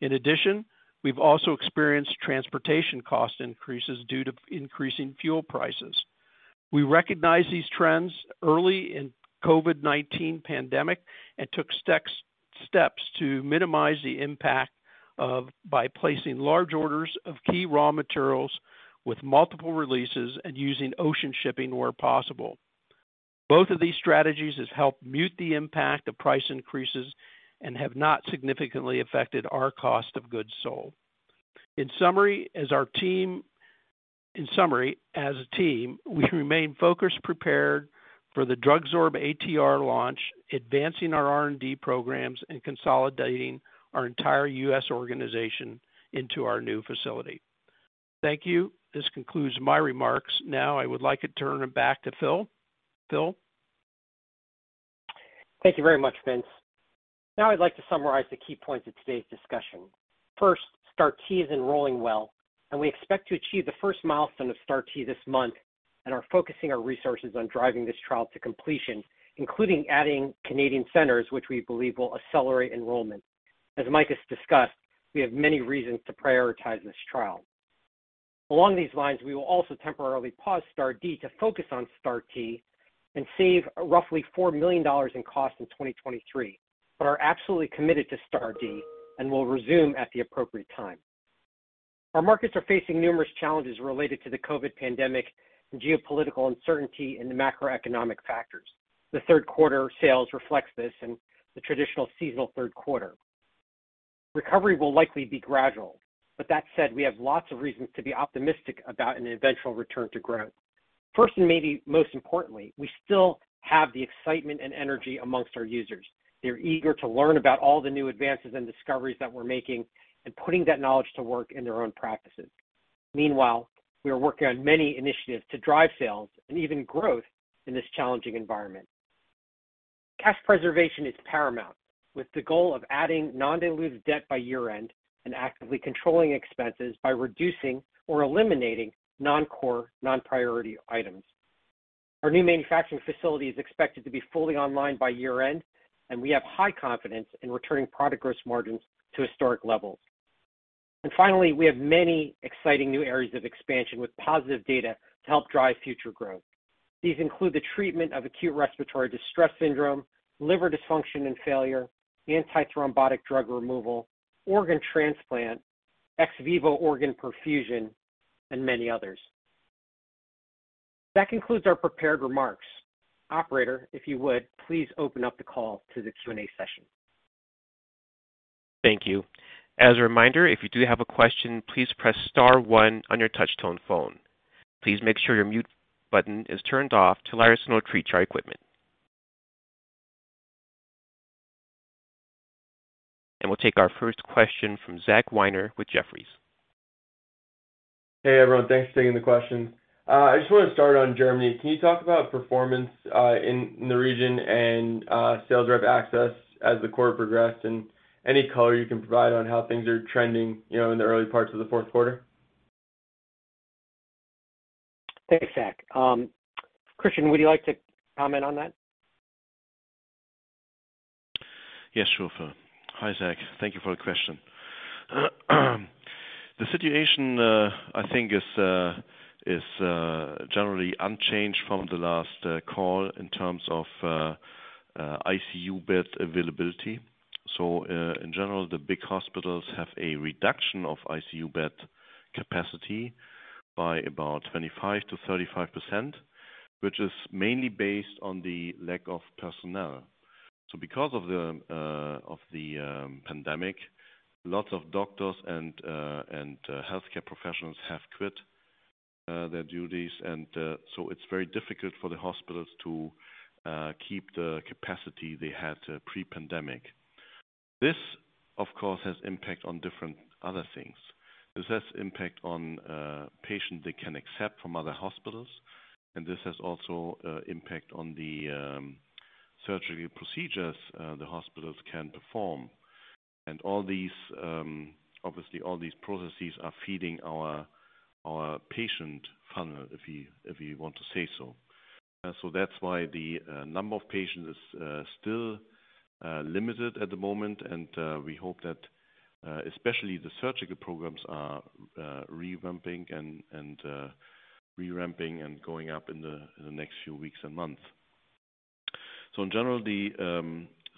In addition, we've also experienced transportation cost increases due to increasing fuel prices. We recognized these trends early in COVID-19 pandemic and took steps to minimize the impact by placing large orders of key raw materials with multiple releases and using ocean shipping where possible. Both of these strategies has helped mute the impact of price increases and have not significantly affected our cost of goods sold. In summary, as a team, we remain focused, prepared for the DrugSorb-ATR launch, advancing our R&D programs, and consolidating our entire U.S. organization into our new facility. Thank you. This concludes my remarks. Now I would like to turn it back to Phil. Phil? Thank you very much, Vince. Now I'd like to summarize the key points of today's discussion. First, STAR-T is enrolling well, and we expect to achieve the first milestone of STAR-T this month and are focusing our resources on driving this trial to completion, including adding Canadian centers, which we believe will accelerate enrollment. As Makis discussed, we have many reasons to prioritize this trial. Along these lines, we will also temporarily pause STAR-D to focus on STAR-T and save roughly $4 million in 2023, but are absolutely committed to STAR-D and will resume at the appropriate time. Our markets are facing numerous challenges related to the COVID pandemic, geopolitical uncertainty, and the macroeconomic factors. The third quarter sales reflects this and the traditional seasonal third quarter. Recovery will likely be gradual, but that said, we have lots of reasons to be optimistic about an eventual return to growth. First, and maybe most importantly, we still have the excitement and energy among our users. They're eager to learn about all the new advances and discoveries that we're making and putting that knowledge to work in their own practices. Meanwhile, we are working on many initiatives to drive sales and even growth in this challenging environment. Cash preservation is paramount, with the goal of adding non-dilutive debt by year-end and actively controlling expenses by reducing or eliminating non-core, non-priority items. Our new manufacturing facility is expected to be fully online by year-end, and we have high confidence in returning product gross margins to historic levels. Finally, we have many exciting new areas of expansion with positive data to help drive future growth. These include the treatment of acute respiratory distress syndrome, liver dysfunction and failure, antithrombotic drug removal, organ transplant, ex vivo organ perfusion, and many others. That concludes our prepared remarks. Operator, if you would, please open up the call to the Q&A session. Thank you. As a reminder, if you do have a question, please press star one on your touch tone phone. Please make sure your mute button is turned off to allow your signal to reach our equipment. We'll take our first question from Zach Weiner with Jefferies. Hey, everyone. Thanks for taking the question. I just want to start on Germany. Can you talk about performance in the region and sales rep access as the quarter progressed? Any color you can provide on how things are trending, you know, in the early parts of the fourth quarter? Thanks, Zach. Christian, would you like to comment on that? Yes, sure. Hi, Zach. Thank you for the question. The situation, I think is generally unchanged from the last call in terms of ICU bed availability. In general, the big hospitals have a reduction of ICU bed capacity by about 25%-35%, which is mainly based on the lack of personnel. Because of the pandemic, lots of doctors and healthcare professionals have quit their duties. It's very difficult for the hospitals to keep the capacity they had pre-pandemic. This, of course, has impact on different other things. This has impact on patients they can accept from other hospitals, and this has also impact on the surgery procedures the hospitals can perform. Obviously all these processes are feeding our patient funnel, if you want to say so. That's why the number of patients is still limited at the moment. We hope that especially the surgical programs are revamping and re-ramping, and going up in the next few weeks and months. In general, the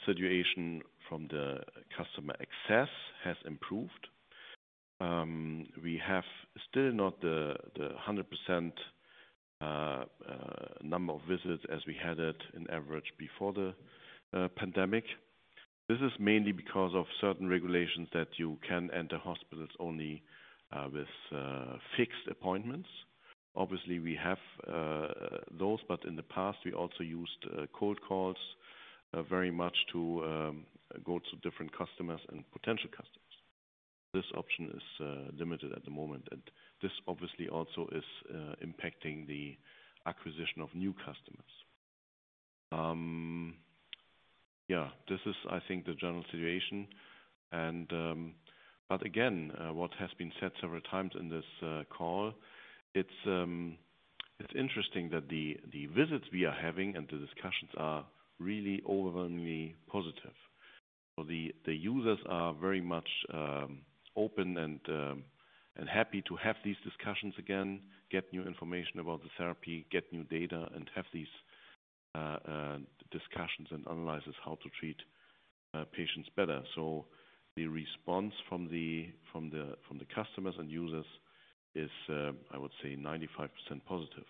situation from the customer access has improved. We have still not the 100% number of visits as we had it on average before the pandemic. This is mainly because of certain regulations that you can enter hospitals only with fixed appointments. Obviously, we have those, but in the past we also used cold calls very much to go to different customers and potential customers. This option is limited at the moment, and this obviously also is impacting the acquisition of new customers. Yeah, this is, I think, the general situation. But again, what has been said several times in this call, it's interesting that the visits we are having and the discussions are really overwhelmingly positive. The users are very much open and happy to have these discussions again, get new information about the therapy, get new data, and have these discussions and analysis how to treat patients better. The response from the customers and users is, I would say 95% positive.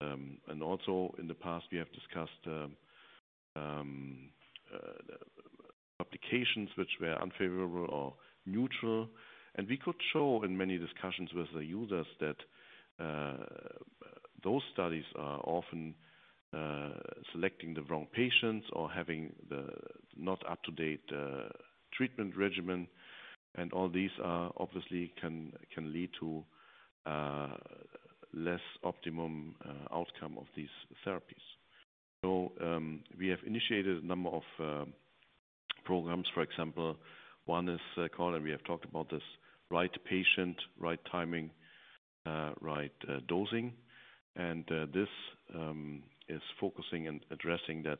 In the past we have discussed publications which were unfavorable or neutral, and we could show in many discussions with the users that those studies are often selecting the wrong patients or having the not up-to-date treatment regimen. All these obviously can lead to less optimum outcome of these therapies. We have initiated a number of programs. For example, one is called, and we have talked about this, Right Patient, Right Timing, Right Dosing. This is focusing and addressing that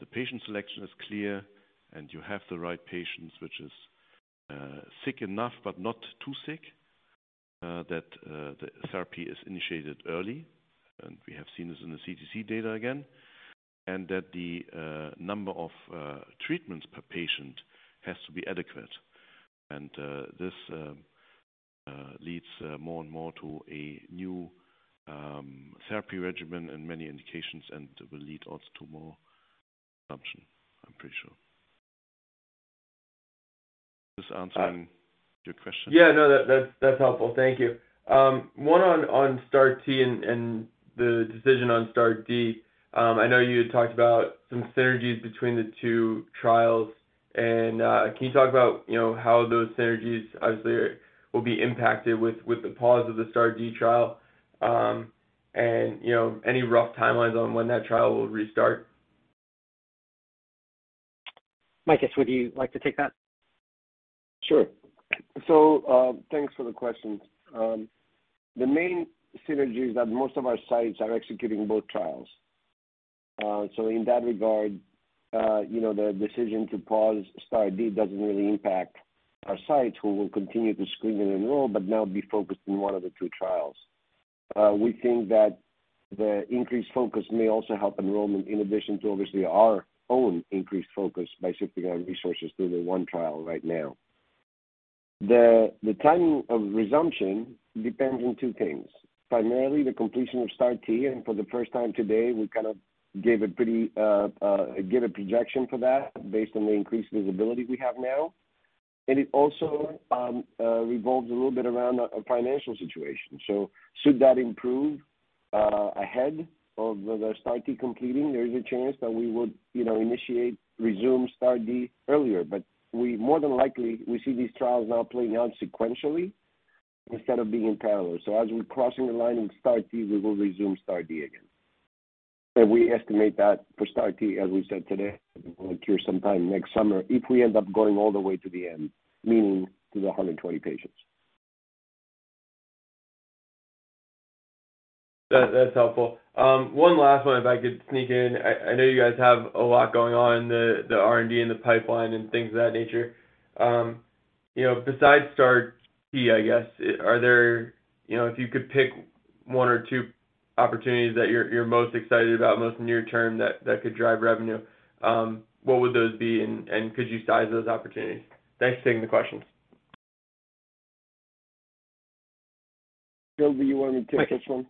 the patient selection is clear, and you have the right patients, which is sick enough but not too sick that the therapy is initiated early, and we have seen this in the CTC data again, and that the number of treatments per patient has to be adequate. This leads more and more to a new therapy regimen and many indications and will lead also to more consumption, I'm pretty sure. Does this answer your question? Yeah. No, that's helpful. Thank you. One on STAR-T and the decision on STAR-D. I know you had talked about some synergies between the two trials. Can you talk about, you know, how those synergies obviously will be impacted with the pause of the STAR-D trial? You know, any rough timelines on when that trial will restart? Makis, would you like to take that? Sure. Thanks for the question. The main synergy is that most of our sites are executing both trials. In that regard, you know, the decision to pause STAR-D doesn't really impact our sites who will continue to screen and enroll, but now be focused in one of the two trials. We think that the increased focus may also help enrollment in addition to obviously our own increased focus by shifting our resources to the one trial right now. The timing of resumption depends on two things. Primarily the completion of STAR-T, and for the first time today, we kind of gave a projection for that based on the increased visibility we have now. It also revolves a little bit around our financial situation. Should that improve ahead of the STAR-T completing, there is a chance that we would, you know, initiate, resume STAR-D earlier. We more than likely see these trials now playing out sequentially instead of being parallel. As we're crossing the line in STAR-T, we will resume STAR-D again. We estimate that for STAR-T, as we said today, will occur sometime next summer if we end up going all the way to the end, meaning to the 120 patients. That's helpful. One last one if I could sneak in. I know you guys have a lot going on in the R&D and the pipeline and things of that nature. You know, besides STAR-T, I guess, are there you know, if you could pick one or two opportunities that you're most excited about most near-term that could drive revenue, what would those be and could you size those opportunities? Thanks for taking the questions. Phil, do you want me to take this one?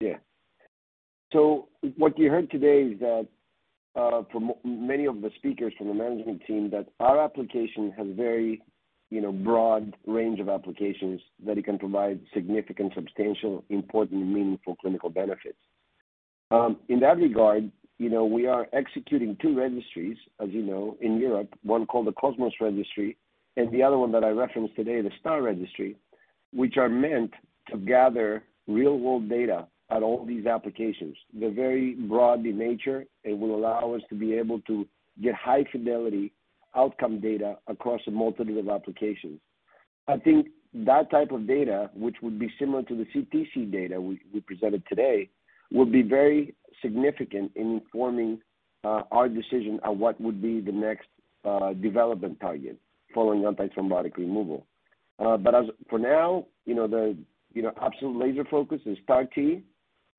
Yeah. What you heard today is that, from many of the speakers from the management team, that our application has very, you know, broad range of applications that it can provide significant, substantial, important, meaningful clinical benefits. In that regard, you know, we are executing two registries, as you know, in Europe, one called the COSMOS registry and the other one that I referenced today, the STAR registry, which are meant to gather real-world data on all these applications. They're very broad in nature. It will allow us to be able to get high fidelity outcome data across a multitude of applications. I think that type of data, which would be similar to the CTC data we presented today, will be very significant in informing our decision on what would be the next development target following antithrombotic removal. For now, you know, the absolute laser focus is STAR-T,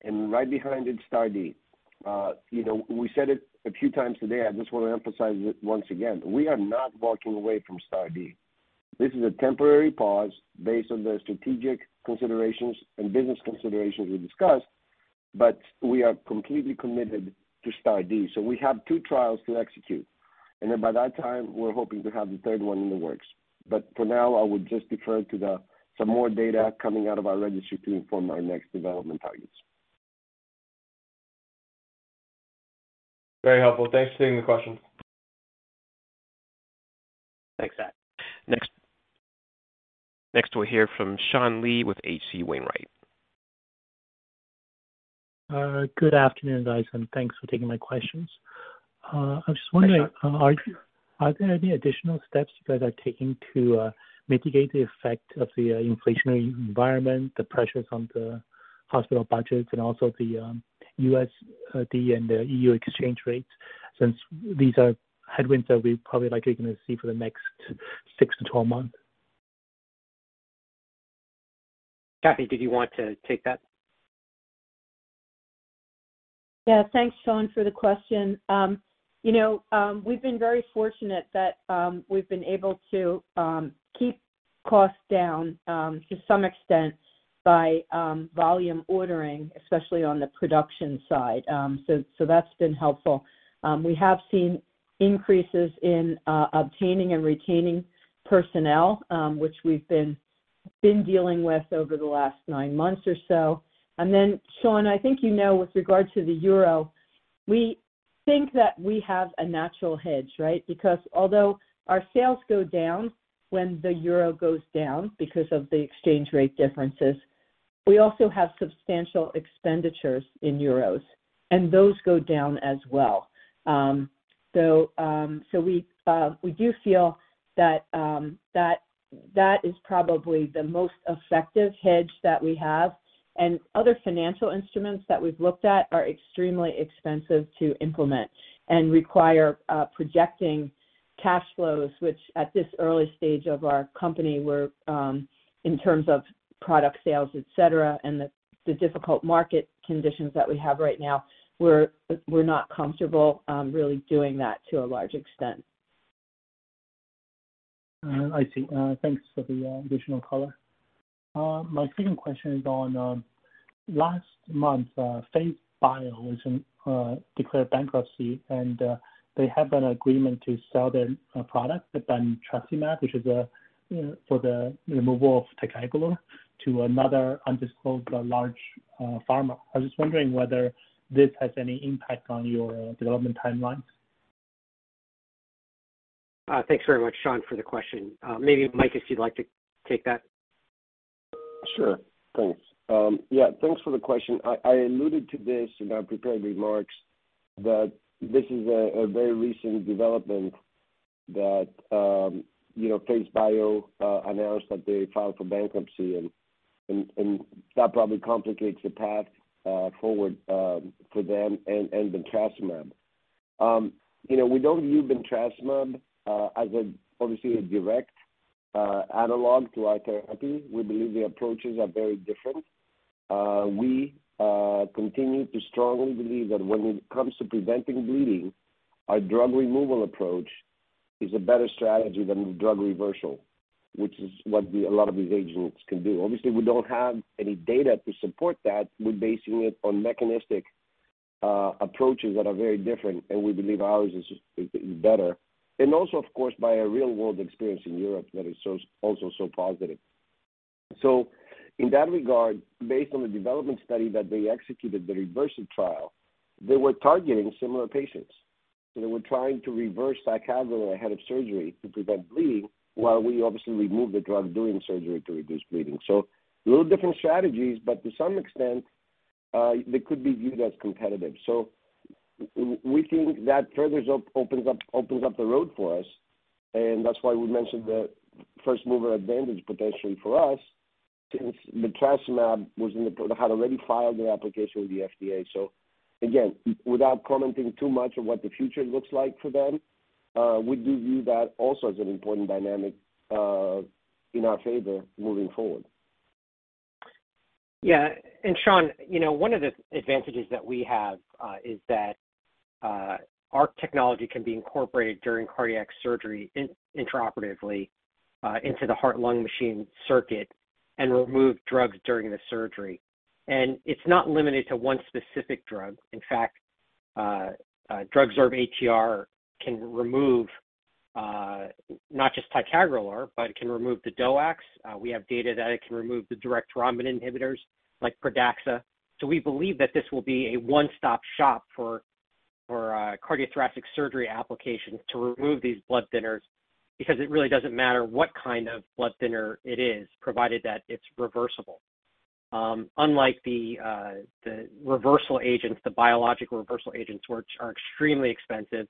and right behind it, STAR-D. You know, we said it a few times today. I just wanna emphasize it once again, we are not walking away from STAR-D. This is a temporary pause based on the strategic considerations and business considerations we discussed, but we are completely committed to STAR-D. We have two trials to execute, and then by that time, we're hoping to have the third one in the works. For now, I would just defer to some more data coming out of our registry to inform our next development targets. Very helpful. Thanks for taking the question. Thanks, Zach. Next, we'll hear from Sean Lee with H.C. Wainwright. Good afternoon, guys, and thanks for taking my questions. I'm just wondering. Hi, Sean. Are there any additional steps you guys are taking to mitigate the effect of the inflationary environment, the pressures on the hospital budgets and also the USD and the EU exchange rates, since these are headwinds that we probably are gonna see for the next 6 months-12 months? Kathy, did you want to take that? Yeah. Thanks, Sean, for the question. You know, we've been very fortunate that we've been able to keep costs down to some extent by volume ordering, especially on the production side. So that's been helpful. We have seen increases in obtaining and retaining personnel, which we've been dealing with over the last nine months or so. Sean, I think you know with regard to the euro, we think that we have a natural hedge, right? Because although our sales go down when the euro goes down because of the exchange rate differences, we also have substantial expenditures in euros, and those go down as well. So we do feel that that is probably the most effective hedge that we have. Other financial instruments that we've looked at are extremely expensive to implement and require projecting cash flows, which at this early stage of our company were in terms of product sales, et cetera, and the difficult market conditions that we have right now, we're not comfortable really doing that to a large extent. I see. Thanks for the additional color. My second question is on last month, PhaseBio declared bankruptcy, and they have an agreement to sell their product, bentracimab, which is for the removal of ticagrelor, to another undisclosed large pharma. I was just wondering whether this has any impact on your development timelines. Thanks very much, Sean, for the question. Maybe Makis, if you'd like to take that. Sure. Thanks. Yeah, thanks for the question. I alluded to this in our prepared remarks that this is a very recent development that you know, PhaseBio announced that they filed for bankruptcy and that probably complicates the path forward for them and bentracimab. You know, we don't view bentracimab as obviously a direct analog to our therapy. We believe the approaches are very different. We continue to strongly believe that when it comes to preventing bleeding, our drug removal approach is a better strategy than drug reversal, which is what a lot of these agents can do. Obviously, we don't have any data to support that. We're basing it on mechanistic approaches that are very different, and we believe ours is better. Also, of course, by a real-world experience in Europe that is so positive. In that regard, based on the development study that they executed, the reversal trial, they were targeting similar patients. They were trying to reverse ticagrelor ahead of surgery to prevent bleeding while we obviously remove the drug during surgery to reduce bleeding. A little different strategies, but to some extent, they could be viewed as competitive. We think that opens up the road for us, and that's why we mentioned the first mover advantage potentially for us, since the bentracimab had already filed the application with the FDA. Again, without commenting too much on what the future looks like for them, we do view that also as an important dynamic in our favor moving forward. Yeah, Sean, you know, one of the advantages that we have is that our technology can be incorporated during cardiac surgery intraoperatively into the heart-lung machine circuit and remove drugs during the surgery. It's not limited to one specific drug. In fact, DrugSorb-ATR can remove not just ticagrelor, but it can remove the DOACs. We have data that it can remove the direct thrombin inhibitors like Pradaxa. We believe that this will be a one-stop shop for cardiothoracic surgery applications to remove these blood thinners, because it really doesn't matter what kind of blood thinner it is, provided that it's reversible. Unlike the reversal agents, the biological reversal agents, which are extremely expensive,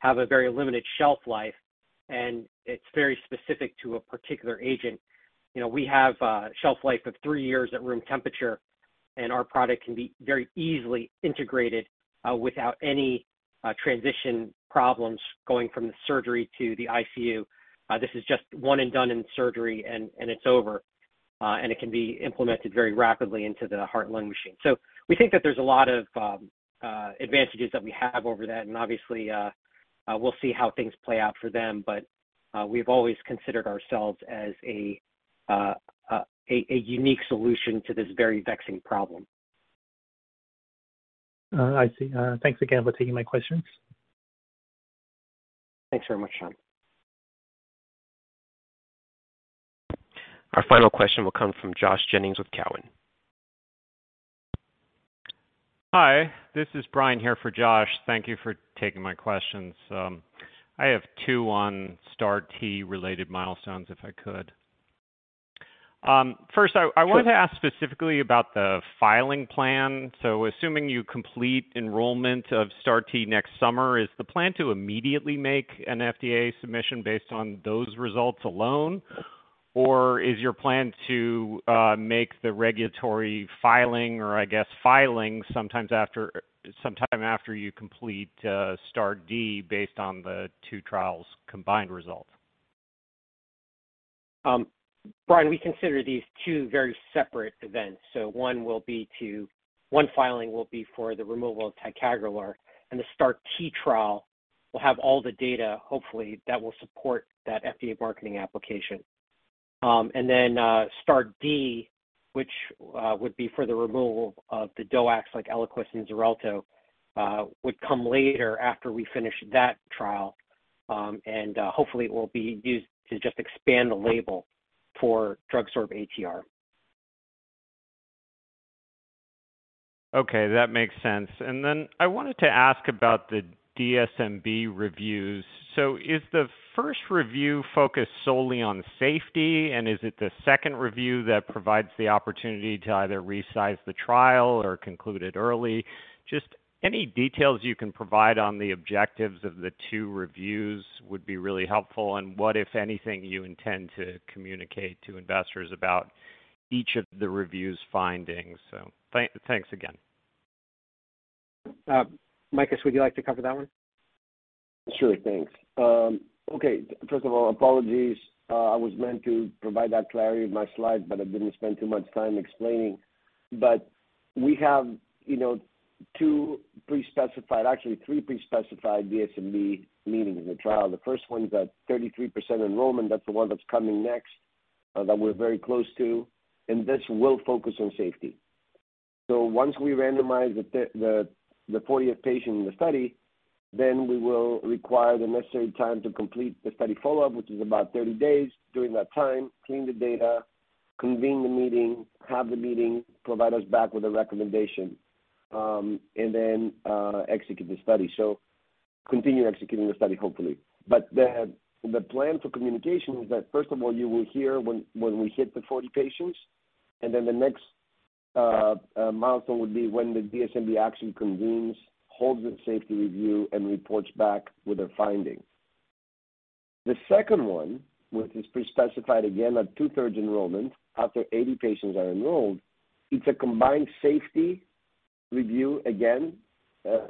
have a very limited shelf life, and it's very specific to a particular agent. You know, we have a shelf life of three years at room temperature, and our product can be very easily integrated, without any, transition problems going from the surgery to the ICU. This is just one and done in surgery and it's over. It can be implemented very rapidly into the heart-lung machine. We think that there's a lot of advantages that we have over that, and obviously, we'll see how things play out for them. We've always considered ourselves as a unique solution to this very vexing problem. I see. Thanks again for taking my questions. Thanks very much, Sean. Our final question will come from Josh Jennings with Cowen. Hi, this is Bryan here for Josh. Thank you for taking my questions. I have two on STAR-T related milestones, if I could. First, I Sure. I wanted to ask specifically about the filing plan. Assuming you complete enrollment of STAR-T next summer, is the plan to immediately make an FDA submission based on those results alone? Or is your plan to make the regulatory filing, or I guess filings, sometime after you complete STAR-D based on the two trials combined results? Bryan, we consider these two very separate events. One filing will be for the removal of ticagrelor, and the STAR-T trial will have all the data, hopefully, that will support that FDA marketing application. Then, STAR-D, which would be for the removal of the DOACs like ELIQUIS and XARELTO, would come later after we finish that trial. Hopefully it will be used to just expand the label for DrugSorb-ATR. Okay, that makes sense. Then I wanted to ask about the DSMB reviews. Is the first review focused solely on safety, and is it the second review that provides the opportunity to either resize the trial or conclude it early? Just any details you can provide on the objectives of the two reviews would be really helpful. What, if anything, you intend to communicate to investors about each of the review's findings? Thanks again. Makis, would you like to cover that one? Sure. Thanks. Okay. First of all, apologies. I was meant to provide that clarity in my slide, but I didn't spend too much time explaining. We have, you know, two pre-specified, actually three pre-specified DSMB meetings in the trial. The first one's at 33% enrollment. That's the one that's coming next, that we're very close to, and this will focus on safety. Once we randomize the 40th patient in the study, then we will require the necessary time to complete the study follow-up, which is about 30 days. During that time, clean the data, convene the meeting, have the meeting, provide us back with a recommendation, and then execute the study. Continue executing the study, hopefully. The plan for communication is that, first of all, you will hear when we hit the 40 patients, and then the next milestone would be when the DSMB action convenes, holds its safety review, and reports back with their findings. The second one, which is pre-specified again at two-thirds enrollment, after 80 patients are enrolled, it's a combined safety review again,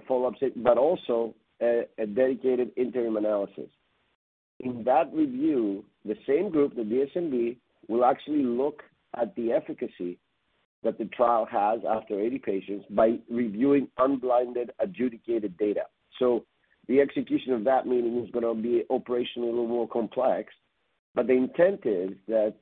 follow-up but also a dedicated interim analysis. In that review, the same group, the DSMB, will actually look at the efficacy that the trial has after 80 patients by reviewing unblinded, adjudicated data. The execution of that meeting is gonna be operationally more complex, but the intent is that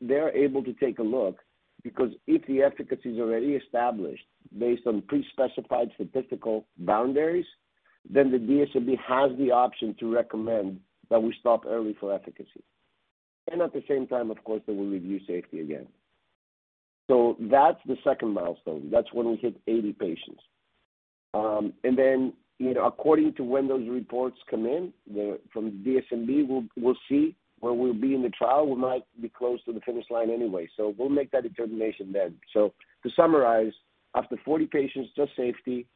they're able to take a look, because if the efficacy is already established based on pre-specified statistical boundaries, then the DSMB has the option to recommend that we stop early for efficacy. At the same time, of course, they will review safety again. That's the second milestone. That's when we hit 80 patients. Then, you know, according to when those reports come in, from the DSMB, we'll see where we'll be in the trial. We might be close to the finish line anyway. We'll make that determination then. To summarize, after 40 patients, just safety.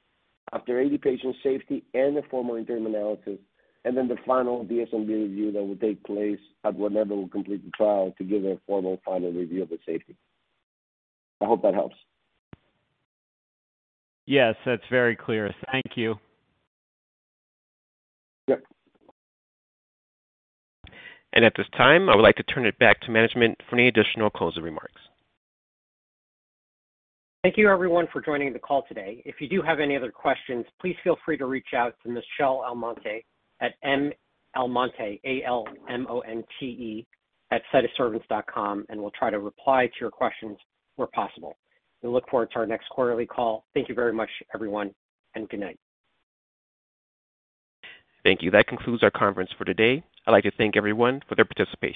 After 80 patients, safety and a formal interim analysis. The final DSMB review that will take place at whenever we complete the trial to give a formal final review of the safety. I hope that helps. Yes. That's very clear. Thank you. Yep. At this time, I would like to turn it back to management for any additional closing remarks. Thank you everyone for joining the call today. If you do have any other questions, please feel free to reach out to Ms. Michelle Almonte at Almonte, A-L-M-O-N-T-E, @cytosorbents.com, and we'll try to reply to your questions where possible. We look forward to our next quarterly call. Thank you very much, everyone, and good night. Thank you. That concludes our conference for today. I'd like to thank everyone for their participation.